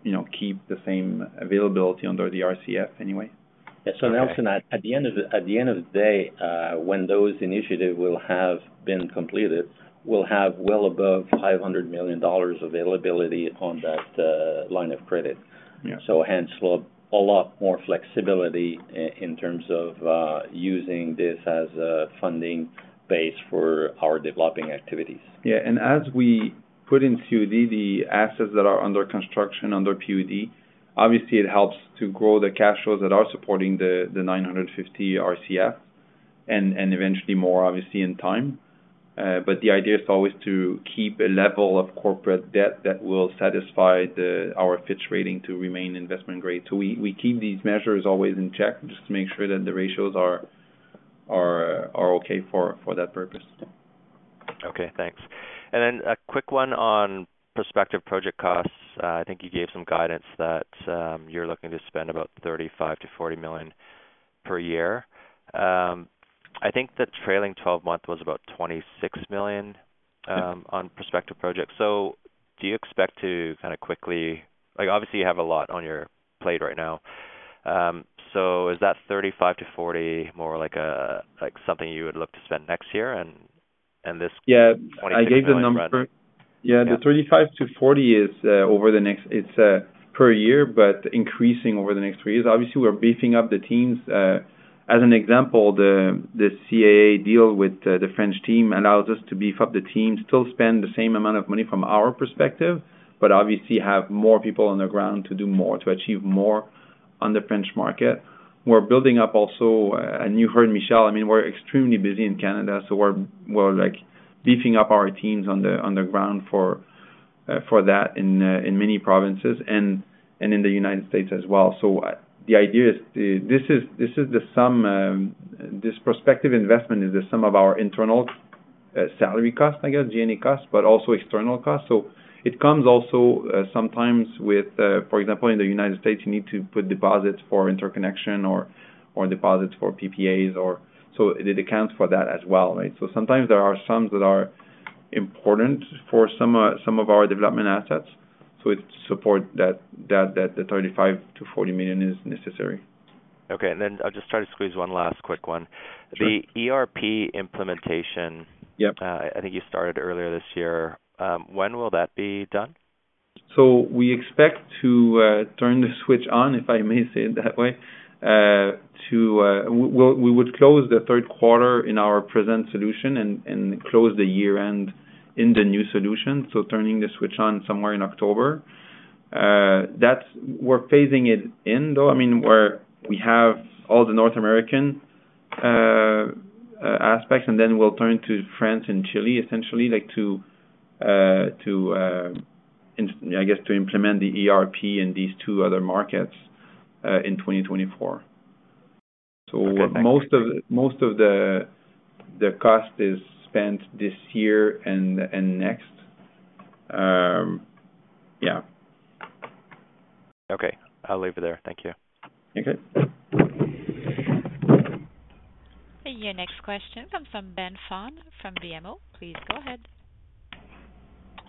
S4: you know, keep the same availability under the RCF anyway.
S3: Yeah.
S8: Okay.
S3: Nelson, at, at the end of the, at the end of the day, when those initiative will have been completed, we'll have well above $500 million availability on that line of credit.
S4: Yeah.
S3: Hence, we'll have a lot more flexibility in terms of using this as a funding base for our developing activities.
S4: As we put in COD, the assets that are under construction, under PUD, obviously, it helps to grow the cash flows that are supporting the 950 RCF, and eventually more, obviously, in time. The idea is always to keep a level of corporate debt that will satisfy our Fitch rating to remain investment-grade. We keep these measures always in check, just to make sure that the ratios are okay for that purpose.
S8: Okay, thanks. Then a quick one on prospective project costs. I think you gave some guidance that you're looking to spend about $35 million-$40 million per year. I think the trailing twelve month was about $26 million on prospective projects. Do you expect to kind of quickly. Like, obviously, you have a lot on your plate right now. Is that $35 million-$40 million more like a, like something you would look to spend next year and, and this-.
S3: Yeah, I gave the number.
S8: Yeah.
S3: Yeah, the $35 million-$40 million is over the next. It's per year, but increasing over the next three years. Obviously, we're beefing up the teams. As an example, the CAA deal with the French team allows us to beef up the team, still spend the same amount of money from our perspective, but obviously have more people on the ground to do more, to achieve more on the French market. We're building up also, and you heard Michel, I mean, we're extremely busy in Canada, so we're, we're, like, beefing up our teams on the ground for that in many provinces and in the United States as well. The idea is the... This is, this is the sum, this prospective investment is the sum of our internal, salary costs, I guess, G&A costs, but also external costs. It comes also, sometimes with, for example, in the United States, you need to put deposits for interconnection or, or deposits for PPAs or... It accounts for that as well, right? Sometimes there are sums that are important for some, some of our development assets, so it support that, that, that the 35 million-40 million is necessary.
S8: Okay, and then I'll just try to squeeze one last quick one.
S3: Sure.
S8: The ERP implementation...
S3: Yep.
S8: I think you started earlier this year. When will that be done?
S3: We expect to turn the switch on, if I may say it that way, to... We would close the 3rd quarter in our present solution and close the year-end in the new solution, so turning the switch on somewhere in October. That's, we're phasing it in, though. I mean, we have all the North American aspects, and then we'll turn to France and Chile, essentially, like, to, I guess, to implement the ERP in these two other markets, in 2024.
S8: Okay.
S3: Most of the cost is spent this year and next. Yeah.
S8: Okay, I'll leave it there. Thank you.
S3: Okay.
S1: Your next question comes from Ben Pham from BMO. Please go ahead.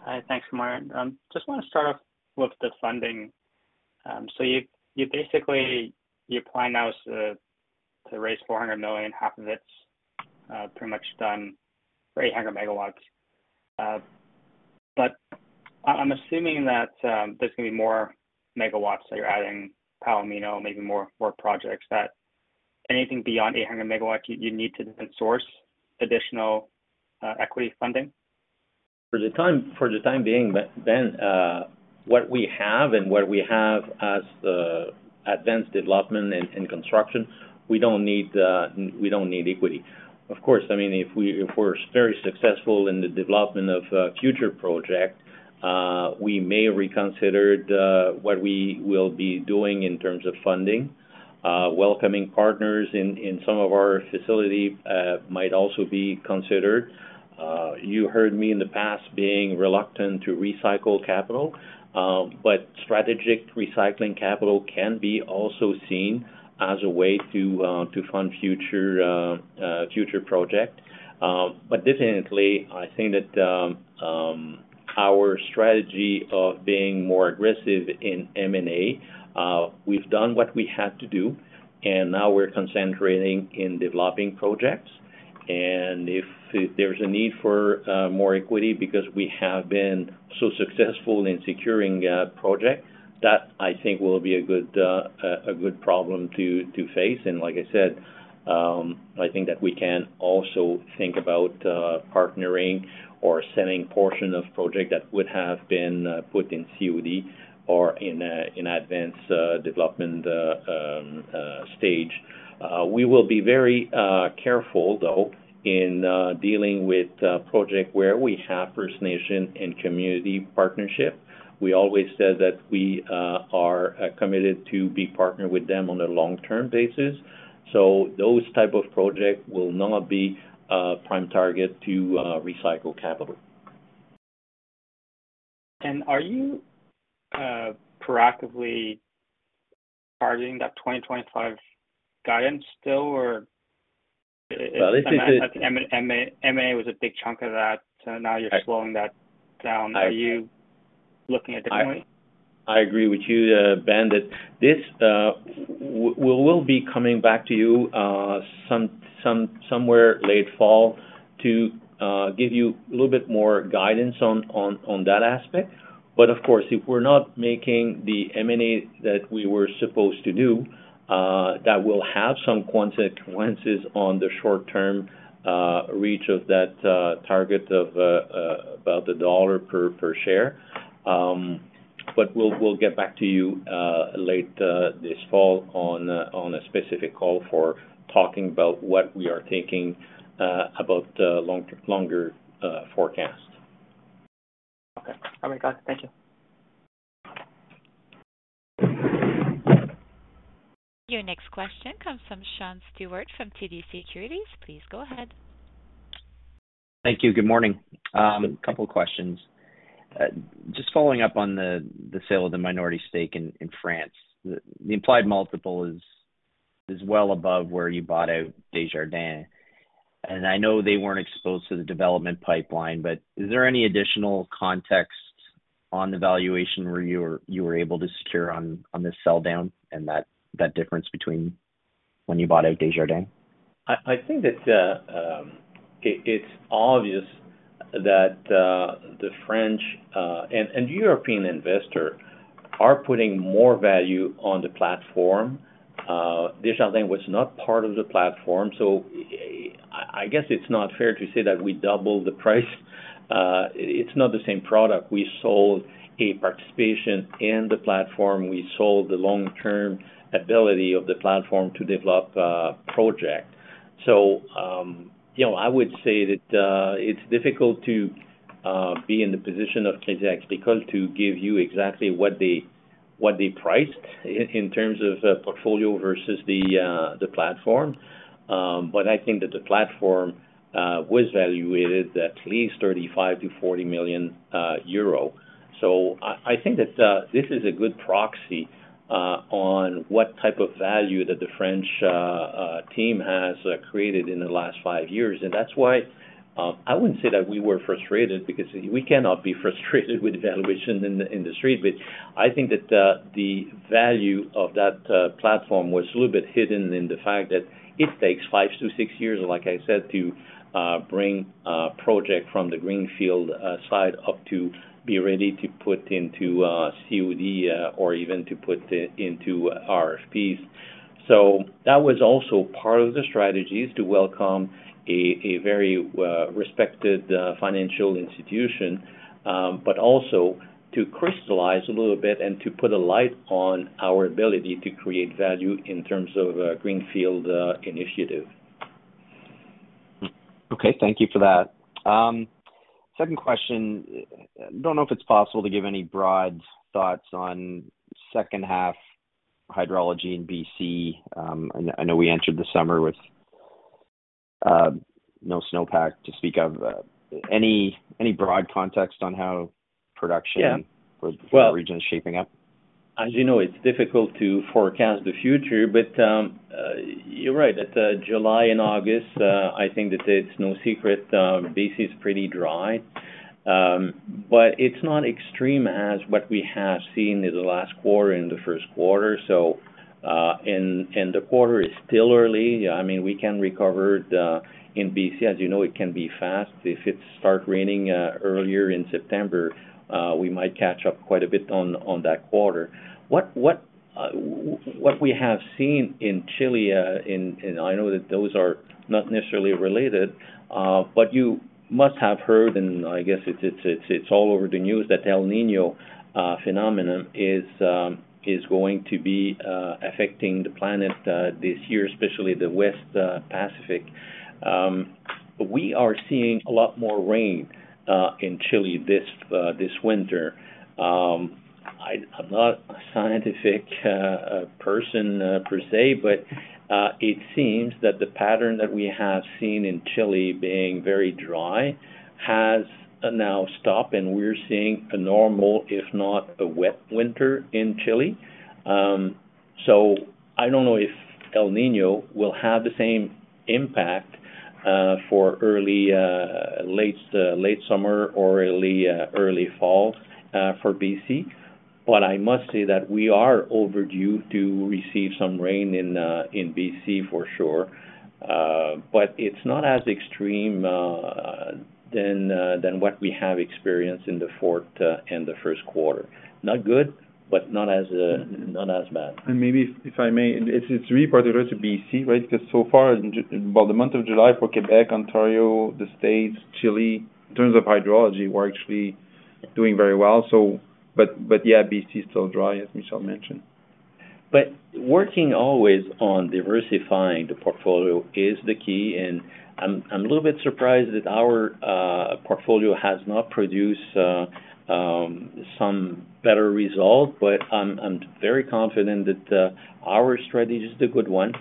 S9: Hi, thanks, Michel. Just want to start off with the funding. You, you basically, your plan now is to raise $400 million, half of it pretty much done for 800 megawatts. But I, I'm assuming that there's going to be more megawatts, so you're adding Palomino, maybe more, more projects, that anything beyond 800 megawatts, you, you need to then source additional equity funding?
S3: For the time, for the time being, Ben, what we have and what we have as the advanced development and, and construction, we don't need, we don't need equity. Of course, I mean, if we, if we're very successful in the development of future project, we may reconsider the, what we will be doing in terms of funding. Welcoming partners in, in some of our facility, might also be considered. You heard me in the past being reluctant to recycle capital, strategic recycling capital can be also seen as a way to fund future, future project. Definitely, I think that our strategy of being more aggressive in M&A, we've done what we had to do, and now we're concentrating in developing projects. If there's a need for more equity because we have been so successful in securing project, that I think will be a good, a good problem to face. Like I said, I think that we can also think about partnering or selling portion of project that would have been put in COD or in advanced development stage. We will be very careful, though, in dealing with project where we have First Nations and community partnership. We always said that we are committed to be partnered with them on a long-term basis, so those type of project will not be a prime target to recycle capital.
S9: Are you proactively targeting that 2025 guidance still, or?
S3: Well, this is it.
S9: M&A was a big chunk of that, so now you're slowing that down.
S3: I-
S9: Are you looking at it differently?
S3: I agree with you, Ben, that this. We will be coming back to you somewhere late fall to give you a little bit more guidance on that aspect. Of course, if we're not making the M&A that we were supposed to do, that will have some consequences on the short-term reach of that target of about CAD 1 per share. We'll get back to you late this fall on a specific call for talking about what we are thinking about the longer forecast.
S9: Okay. All right, got it. Thank you.
S1: Your next question comes from Sean Stewart from TD Securities. Please go ahead.
S10: Thank you. Good morning. A couple questions. Just following up on the sale of the minority stake in France. The implied multiple is well above where you bought out Desjardins, and I know they weren't exposed to the development pipeline, but is there any additional context on the valuation where you were able to secure on this sell down and that difference between when you bought out Desjardins?
S3: I, I think that it's obvious that the French and European investor are putting more value on the platform. Desjardins was not part of the platform, so I, I guess it's not fair to say that we doubled the price. It's not the same product. We sold a participation in the platform. We sold the long-term ability of the platform to develop project. you know, I would say that it's difficult to be in the position of Québec because to give you exactly what they, what they priced in terms of portfolio versus the platform. I think that the platform was evaluated at least 35 million-40 million euro. I, I think that this is a good proxy on what type of value that the French team has created in the last five years. That's why, I wouldn't say that we were frustrated, because we cannot be frustrated with the valuation in the industry. I think that the value of that platform was a little bit hidden in the fact that it takes five to six years, like I said, to bring project from the greenfield side up to be ready to put into COD or even to put it into RFPs. That was also part of the strategy, is to welcome a, a very respected financial institution, but also to crystallize a little bit and to put a light on our ability to create value in terms of greenfield initiative.
S10: Okay, thank you for that. Second question. Don't know if it's possible to give any broad thoughts on second half hydrology in BC. I know we entered the summer with no snowpack to speak of. Any broad context on how production-
S3: Yeah.
S10: for the region is shaping up?
S3: As you know, it's difficult to forecast the future, you're right, that July and August, I think that it's no secret, BC is pretty dry. It's not extreme as what we have seen in the last quarter, in the first quarter, so. The quarter is still early. I mean, we can recover, the, in BC, as you know, it can be fast. If it start raining earlier in September, we might catch up quite a bit on, on that quarter. What, what, what we have seen in Chile, and, and I know that those are not necessarily related, but you must have heard, and I guess it's, it's, it's all over the news, that El Niño phenomenon is going to be affecting the planet this year, especially the West Pacific. We are seeing a lot more rain in Chile this winter. I'm not a scientific person per se, but it seems that the pattern that we have seen in Chile being very dry has now stopped, and we're seeing a normal, if not a wet winter in Chile. I don't know if El Niño will have the same impact for early, late, late summer or early, early fall for BC. I must say that we are overdue to receive some rain in BC, for sure. It's not as extreme than what we have experienced in the fourth and the first quarter. Not good, but not as bad.
S10: Maybe if I may, it's really particular to BC, right? Because so far, well, the month of July for Québec, Ontario, the States, Chile, in terms of hydrology, we're actually doing very well. Yeah, BC is still dry, as Michel mentioned.
S3: Working always on diversifying the portfolio is the key, and I'm, I'm a little bit surprised that our portfolio has not produced some better results. I'm, I'm very confident that our strategy is a good one.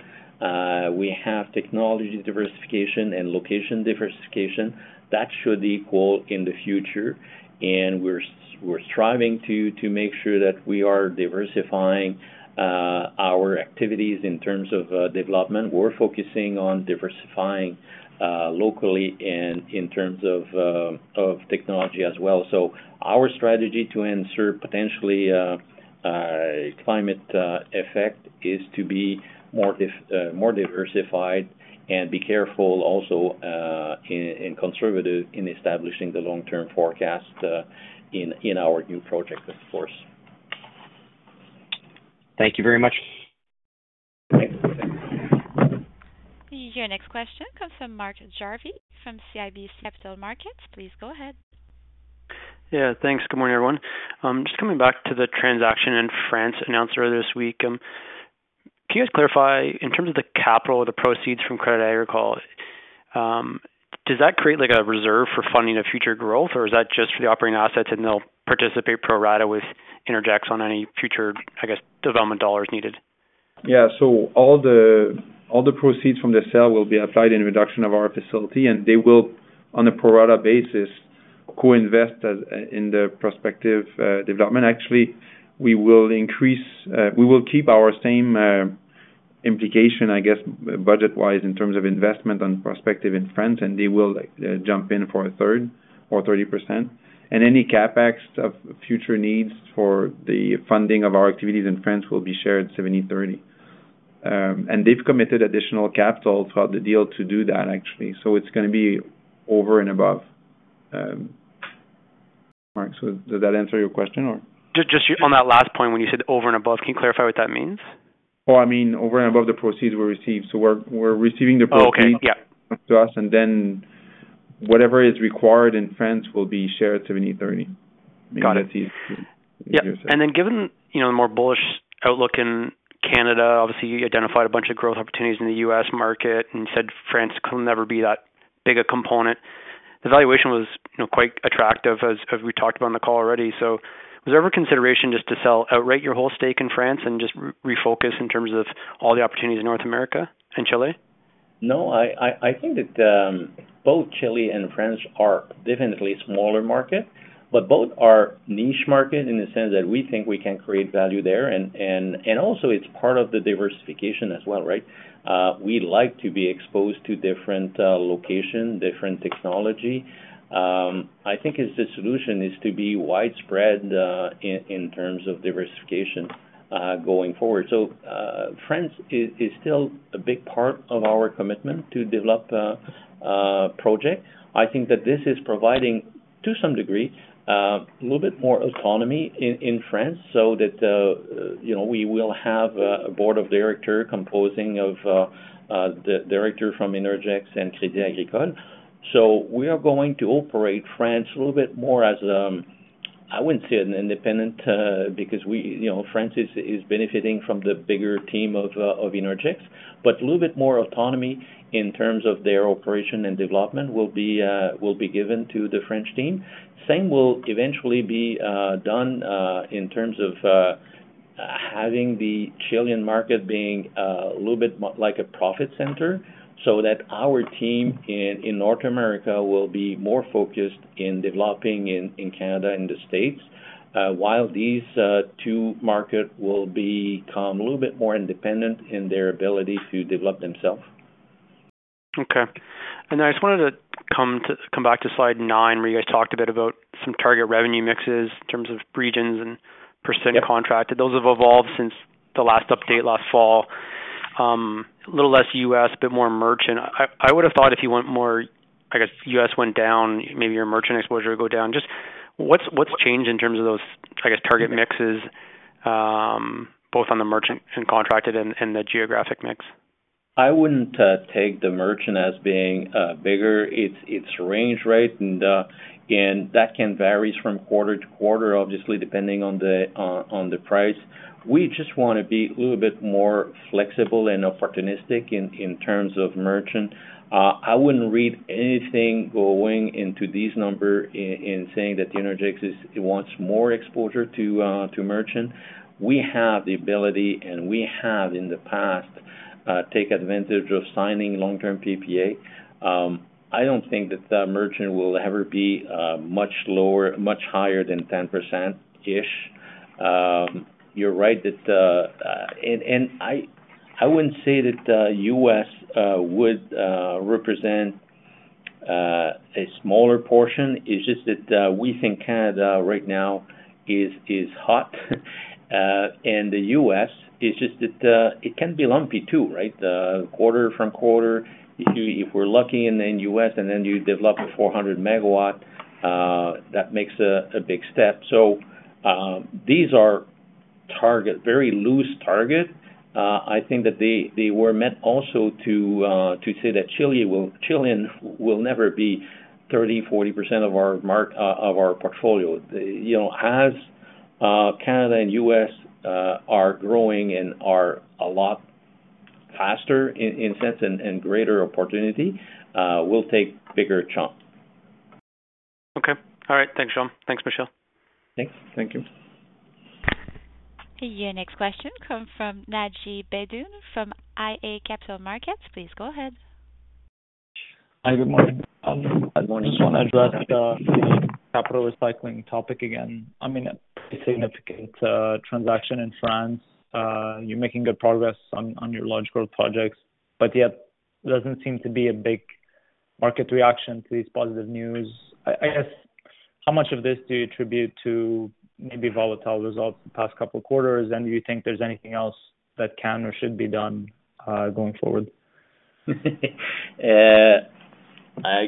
S3: We have technology diversification and location diversification. That should equal in the future, and we're s- we're striving to, to make sure that we are diversifying our activities in terms of development. We're focusing on diversifying locally and in terms of technology as well. Our strategy to answer potentially climate effect, is to be more dif- more diversified and be careful also, and, and conservative in establishing the long-term forecast in our new projects, of course.
S10: Thank you very much.
S1: Your next question comes from Mark Jarvie, from CIBC Capital Markets. Please go ahead.
S11: Yeah, thanks. Good morning, everyone. Just coming back to the transaction in France announced earlier this week, in terms of the capital, the proceeds from Crédit Agricole, does that create, like, a reserve for funding of future growth, or is that just for the operating assets, and they'll participate pro rata with Innergex on any future, I guess, development dollars needed?
S3: Yeah. All the, all the proceeds from the sale will be applied in reduction of our facility, and they will, on a pro rata basis, co-invest as in the prospective development. Actually, we will increase, we will keep our same implication, I guess, budget-wise, in terms of investment on prospective in France, and they will jump in for a third or 30%. Any CapEx of future needs for the funding of our activities in France will be shared 70/30. They've committed additional capital throughout the deal to do that, actually. It's gonna be over and above. Mark, does that answer your question, or?
S11: Just on that last point, when you said over and above, can you clarify what that means?
S3: Oh, I mean, over and above the proceeds we received. we're, we're receiving the proceeds-.
S11: Oh, okay. Yeah.
S3: To us, then whatever is required in France will be shared 70/30.
S11: Got it.
S3: That is, yes.
S11: Yeah. Given, you know, the more bullish outlook in Canada, obviously, you identified a bunch of growth opportunities in the U.S. market and said France could never be that big a component. The valuation was, you know, quite attractive, as, as we talked about on the call already. Was there ever consideration just to sell, outright, your whole stake in France and just re-refocus in terms of all the opportunities in North America and Chile?
S3: No, I think that both Chile and France are definitely smaller market, but both are niche market in the sense that we think we can create value there. Also it's part of the diversification as well, right? We like to be exposed to different location, different technology. I think it's the solution is to be widespread in terms of diversification going forward. France is still a big part of our commitment to develop a project. I think that this is providing, to some degree, a little bit more autonomy in France, so that, you know, we will have a board of director composing of the director from Innergex and Crédit Agricole. We are going to operate France a little bit more as, I wouldn't say an independent, because you know, France is benefiting from the bigger team of Innergex, but a little bit more autonomy in terms of their operation and development will be given to the French team. Same will eventually be done in terms of having the Chilean market being a little bit more like a profit center, so that our team in North America will be more focused in developing in Canada and the States, while these two market will become a little bit more independent in their ability to develop themselves.
S11: Okay. I just wanted to come back to slide nine, where you guys talked a bit about some target revenue mixes in terms of regions and % contract. Those have evolved since the last update last fall. A little less US, a bit more merchant. I would have thought if you went more... I guess US went down, maybe your merchant exposure would go down. Just what's, what's changed in terms of those, I guess, target mixes, both on the merchant and contracted and the geographic mix?
S3: I wouldn't take the merchant as being bigger. It's, it's range, right? That can varies from quarter to quarter, obviously, depending on the price. We just want to be a little bit more flexible and opportunistic in terms of merchant. I wouldn't read anything going into this number in saying that Innergex wants more exposure to merchant. We have the ability, and we have, in the past, take advantage of signing long-term PPA. I don't think that the merchant will ever be much lower, much higher than 10%-ish. You're right that, I wouldn't say that U.S. would represent a smaller portion. It's just that we think Canada right now is, is hot, and the US, it's just that it can be lumpy too, right? Quarter from quarter, if you- if we're lucky in the US, and then you develop a 400 megawatt, that makes a big step. These are target, very loose target. I think that they, they were meant also to say that Chile will- Chilean will never be 30%-40% of our mark of our portfolio. You know, as Canada and US are growing and are a lot faster in, in sense and, and greater opportunity, we'll take bigger chunk.
S11: Okay. All right. Thanks, Jean. Thanks, Michel.
S3: Thanks. Thank you.
S1: Your next question come from Naji Baydoun from iA Capital Markets. Please go ahead.
S12: Hi, good morning.
S3: Good morning.
S12: Just want to address the capital recycling topic again. I mean, a pretty significant transaction in France. You're making good progress on your large growth projects, but yet there doesn't seem to be a big market reaction to this positive news. I guess, how much of this do you attribute to maybe volatile results the past couple of quarters? Do you think there's anything else that can or should be done, going forward?
S3: I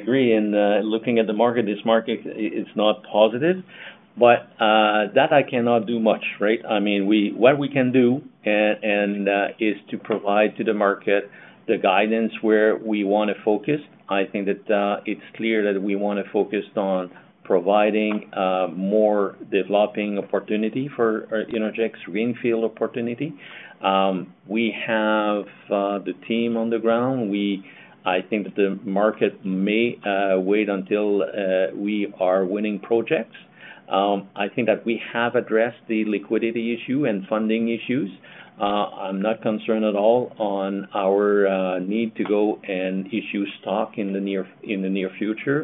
S3: agree, looking at the market, this market it's not positive, that I cannot do much, right? I mean, what we can do, and is to provide to the market the guidance where we want to focus. I think that it's clear that we want to focus on providing more developing opportunity for Innergex greenfield opportunity. We have the team on the ground. I think the market may wait until we are winning projects. I think that we have addressed the liquidity issue and funding issues. I'm not concerned at all on our need to go and issue stock in the near, in the near future.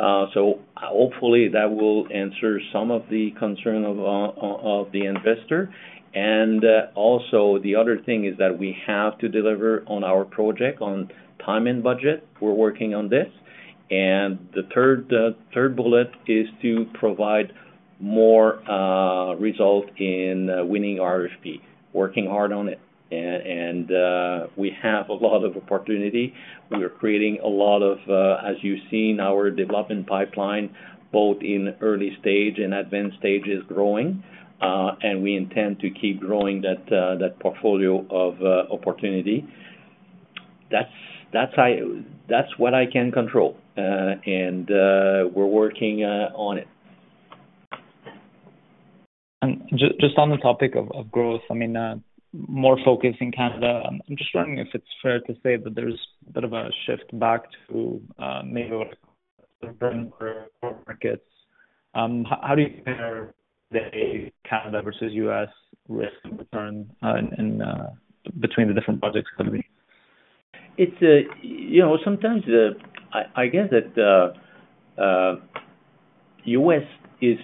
S3: Hopefully that will answer some of the concern of, of, of the investor. Also, the other thing is that we have to deliver on our project on time and budget. We're working on this. The third, third bullet is to provide more, result in, winning RFP. Working hard on it. We have a lot of opportunity. We are creating a lot of, as you've seen, our development pipeline, both in early stage and advanced stages, growing, and we intend to keep growing that, that portfolio of, opportunity. That's, that's That's what I can control. We're working, on it.
S12: Just on the topic of growth, I mean, more focus in Canada. I'm just wondering if it's fair to say that there's a bit of a shift back to, maybe more markets. How do you compare the Canada versus U.S. risk and return, in between the different projects company?
S3: It's a, you know, sometimes, I, I guess that the, U.S. is more- is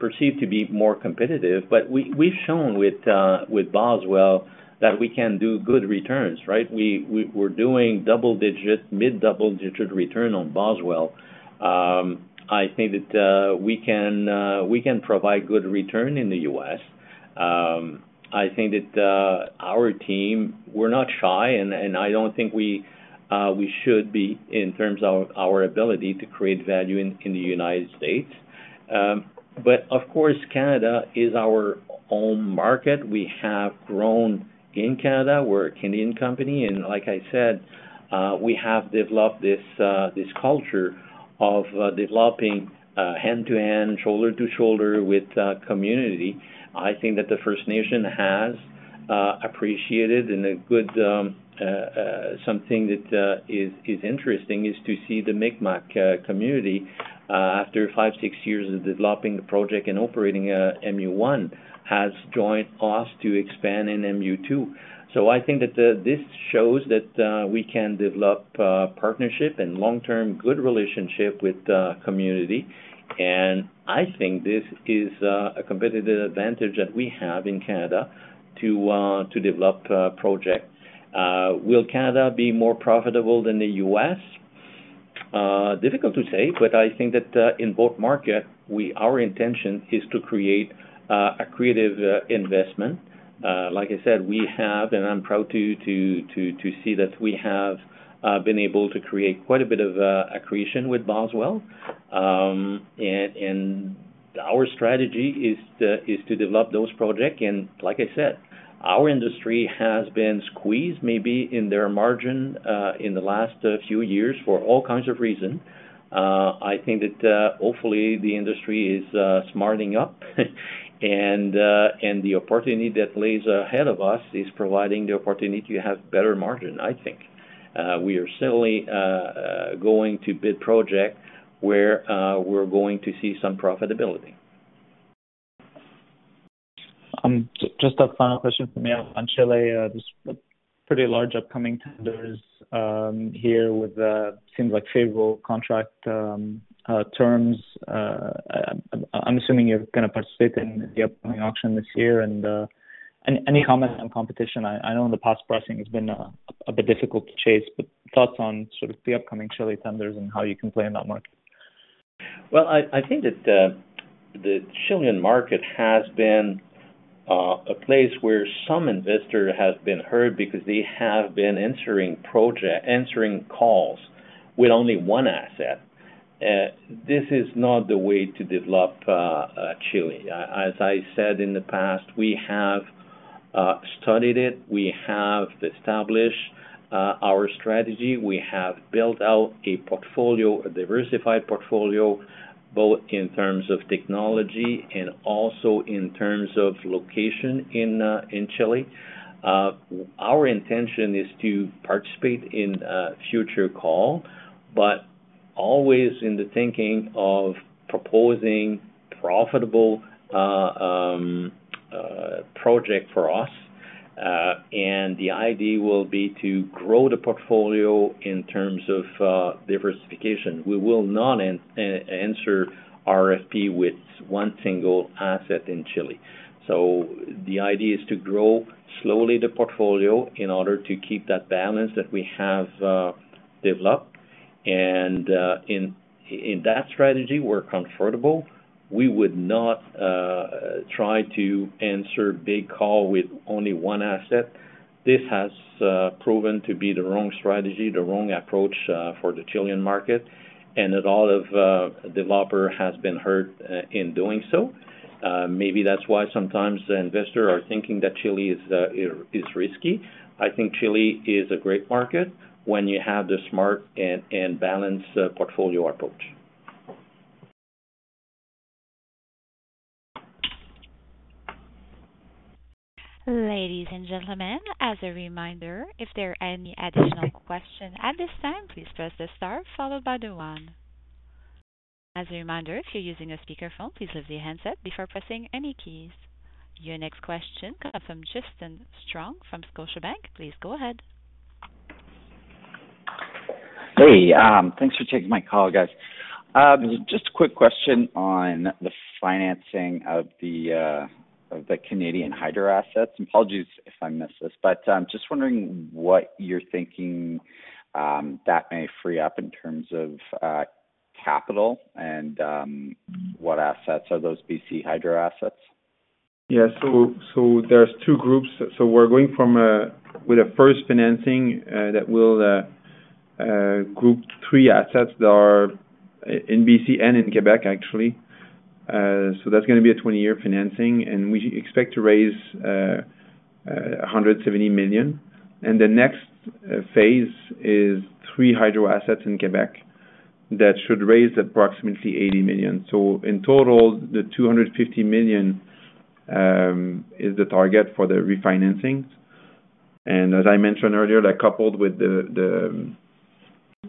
S3: perceived to be more competitive, but we, we've shown with, with Boswell that we can do good returns, right? We, we- we're doing double digit, mid double-digit return on Boswell. I think that, we can, we can provide good return in the U.S. I think that, our team, we're not shy, and, and I don't think we, we should be in terms of our ability to create value in, in the United States. Of course, Canada is our home market. We have grown in Canada. We're a Canadian company, and like I said, we have developed this, this culture of, developing, hand-to-hand, shoulder-to-shoulder with, community. I think that the First Nations has appreciated, and a good, something that is interesting is to see the Mi'kmaq community, after five, six years of developing the project and operating MU1, has joined us to expand in MU2. I think that this shows that we can develop partnership and long-term good relationship with the community. I think this is a competitive advantage that we have in Canada to develop projects. Will Canada be more profitable than the U.S.? Difficult to say, but I think that in both market, our intention is to create accretive investment. Like I said, we have, and I'm proud to, to, to, to see that we have been able to create quite a bit of accretion with Boswell. Our strategy is to, is to develop those project. Like I said, our industry has been squeezed maybe in their margin, in the last few years for all kinds of reason. I think that, hopefully, the industry is smarting up, and the opportunity that lays ahead of us is providing the opportunity to have better margin, I think. We are certainly, going to bid project where, we're going to see some profitability.
S12: Just a final question for me on Chile. There's a pretty large upcoming tenders here with seems like favorable contract terms. I'm assuming you're going to participate in the upcoming auction this year. Any, any comment on competition? I, I know in the past, pricing has been a bit difficult to chase, but thoughts on sort of the upcoming Chile tenders and how you can play in that market?
S3: Well, I, I think that the Chilean market has been a place where some investor has been hurt because they have been answering calls with only one asset. This is not the way to develop Chile. As I said in the past, we have studied it. We have established our strategy. We have built out a portfolio, a diversified portfolio, both in terms of technology and also in terms of location in Chile. Our intention is to participate in a future call, but always in the thinking of proposing profitable project for us, and the idea will be to grow the portfolio in terms of diversification. We will not answer RFP with one single asset in Chile. The idea is to grow slowly the portfolio in order to keep that balance that we have developed. In that strategy, we're comfortable. We would not try to answer big call with only one asset. This has proven to be the wrong strategy, the wrong approach for the Chilean market, and a lot of developer has been hurt in doing so. Maybe that's why sometimes the investor are thinking that Chile is risky. I think Chile is a great market when you have the smart and, and balanced portfolio approach.
S1: Ladies and gentlemen, as a reminder, if there are any additional question at this time, please press the Star followed by the one. As a reminder, if you're using a speakerphone, please lift your handset before pressing any keys. Your next question comes from Justin Strong from Scotiabank. Please go ahead.
S13: Hey, thanks for taking my call, guys. Just a quick question on the financing of the Canadian hydro assets. Apologies if I missed this, but just wondering what you're thinking that may free up in terms of capital and what assets are those BC hydro assets?
S4: Yeah. There's two groups. We're going from a, with a first financing, that will group three assets that are in BC and in Québec, actually. That's gonna be a 20-year financing, and we expect to raise 170 million. The next phase is three hydro assets in Québec that should raise approximately 80 million. In total, the 250 million is the target for the refinancing. As I mentioned earlier, that coupled with the, the,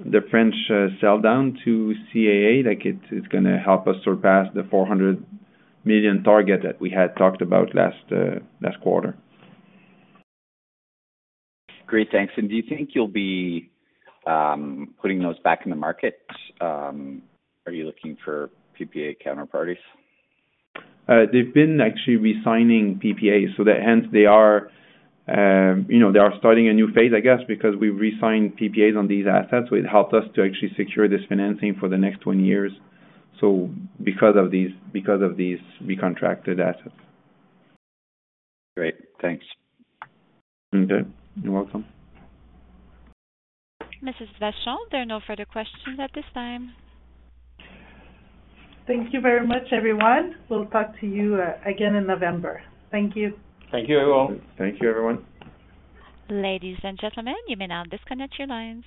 S4: the French sell down to CAA, like it's, it's gonna help us surpass the 400 million target that we had talked about last last quarter.
S13: Great, thanks. Do you think you'll be putting those back in the market? Are you looking for PPA counterparties?
S4: They've been actually resigning PPA, so hence they are, you know, they are starting a new phase, I guess, because we resigned PPAs on these assets. It helped us to actually secure this financing for the next 20 years. Because of these, because of these, we contracted assets.
S13: Great, thanks.
S4: Okay. You're welcome.
S1: Mrs. Vachon, there are no further questions at this time.
S2: Thank you very much, everyone. We'll talk to you again in November. Thank you.
S3: Thank you, everyone.
S4: Thank you, everyone.
S1: Ladies and gentlemen, you may now disconnect your lines.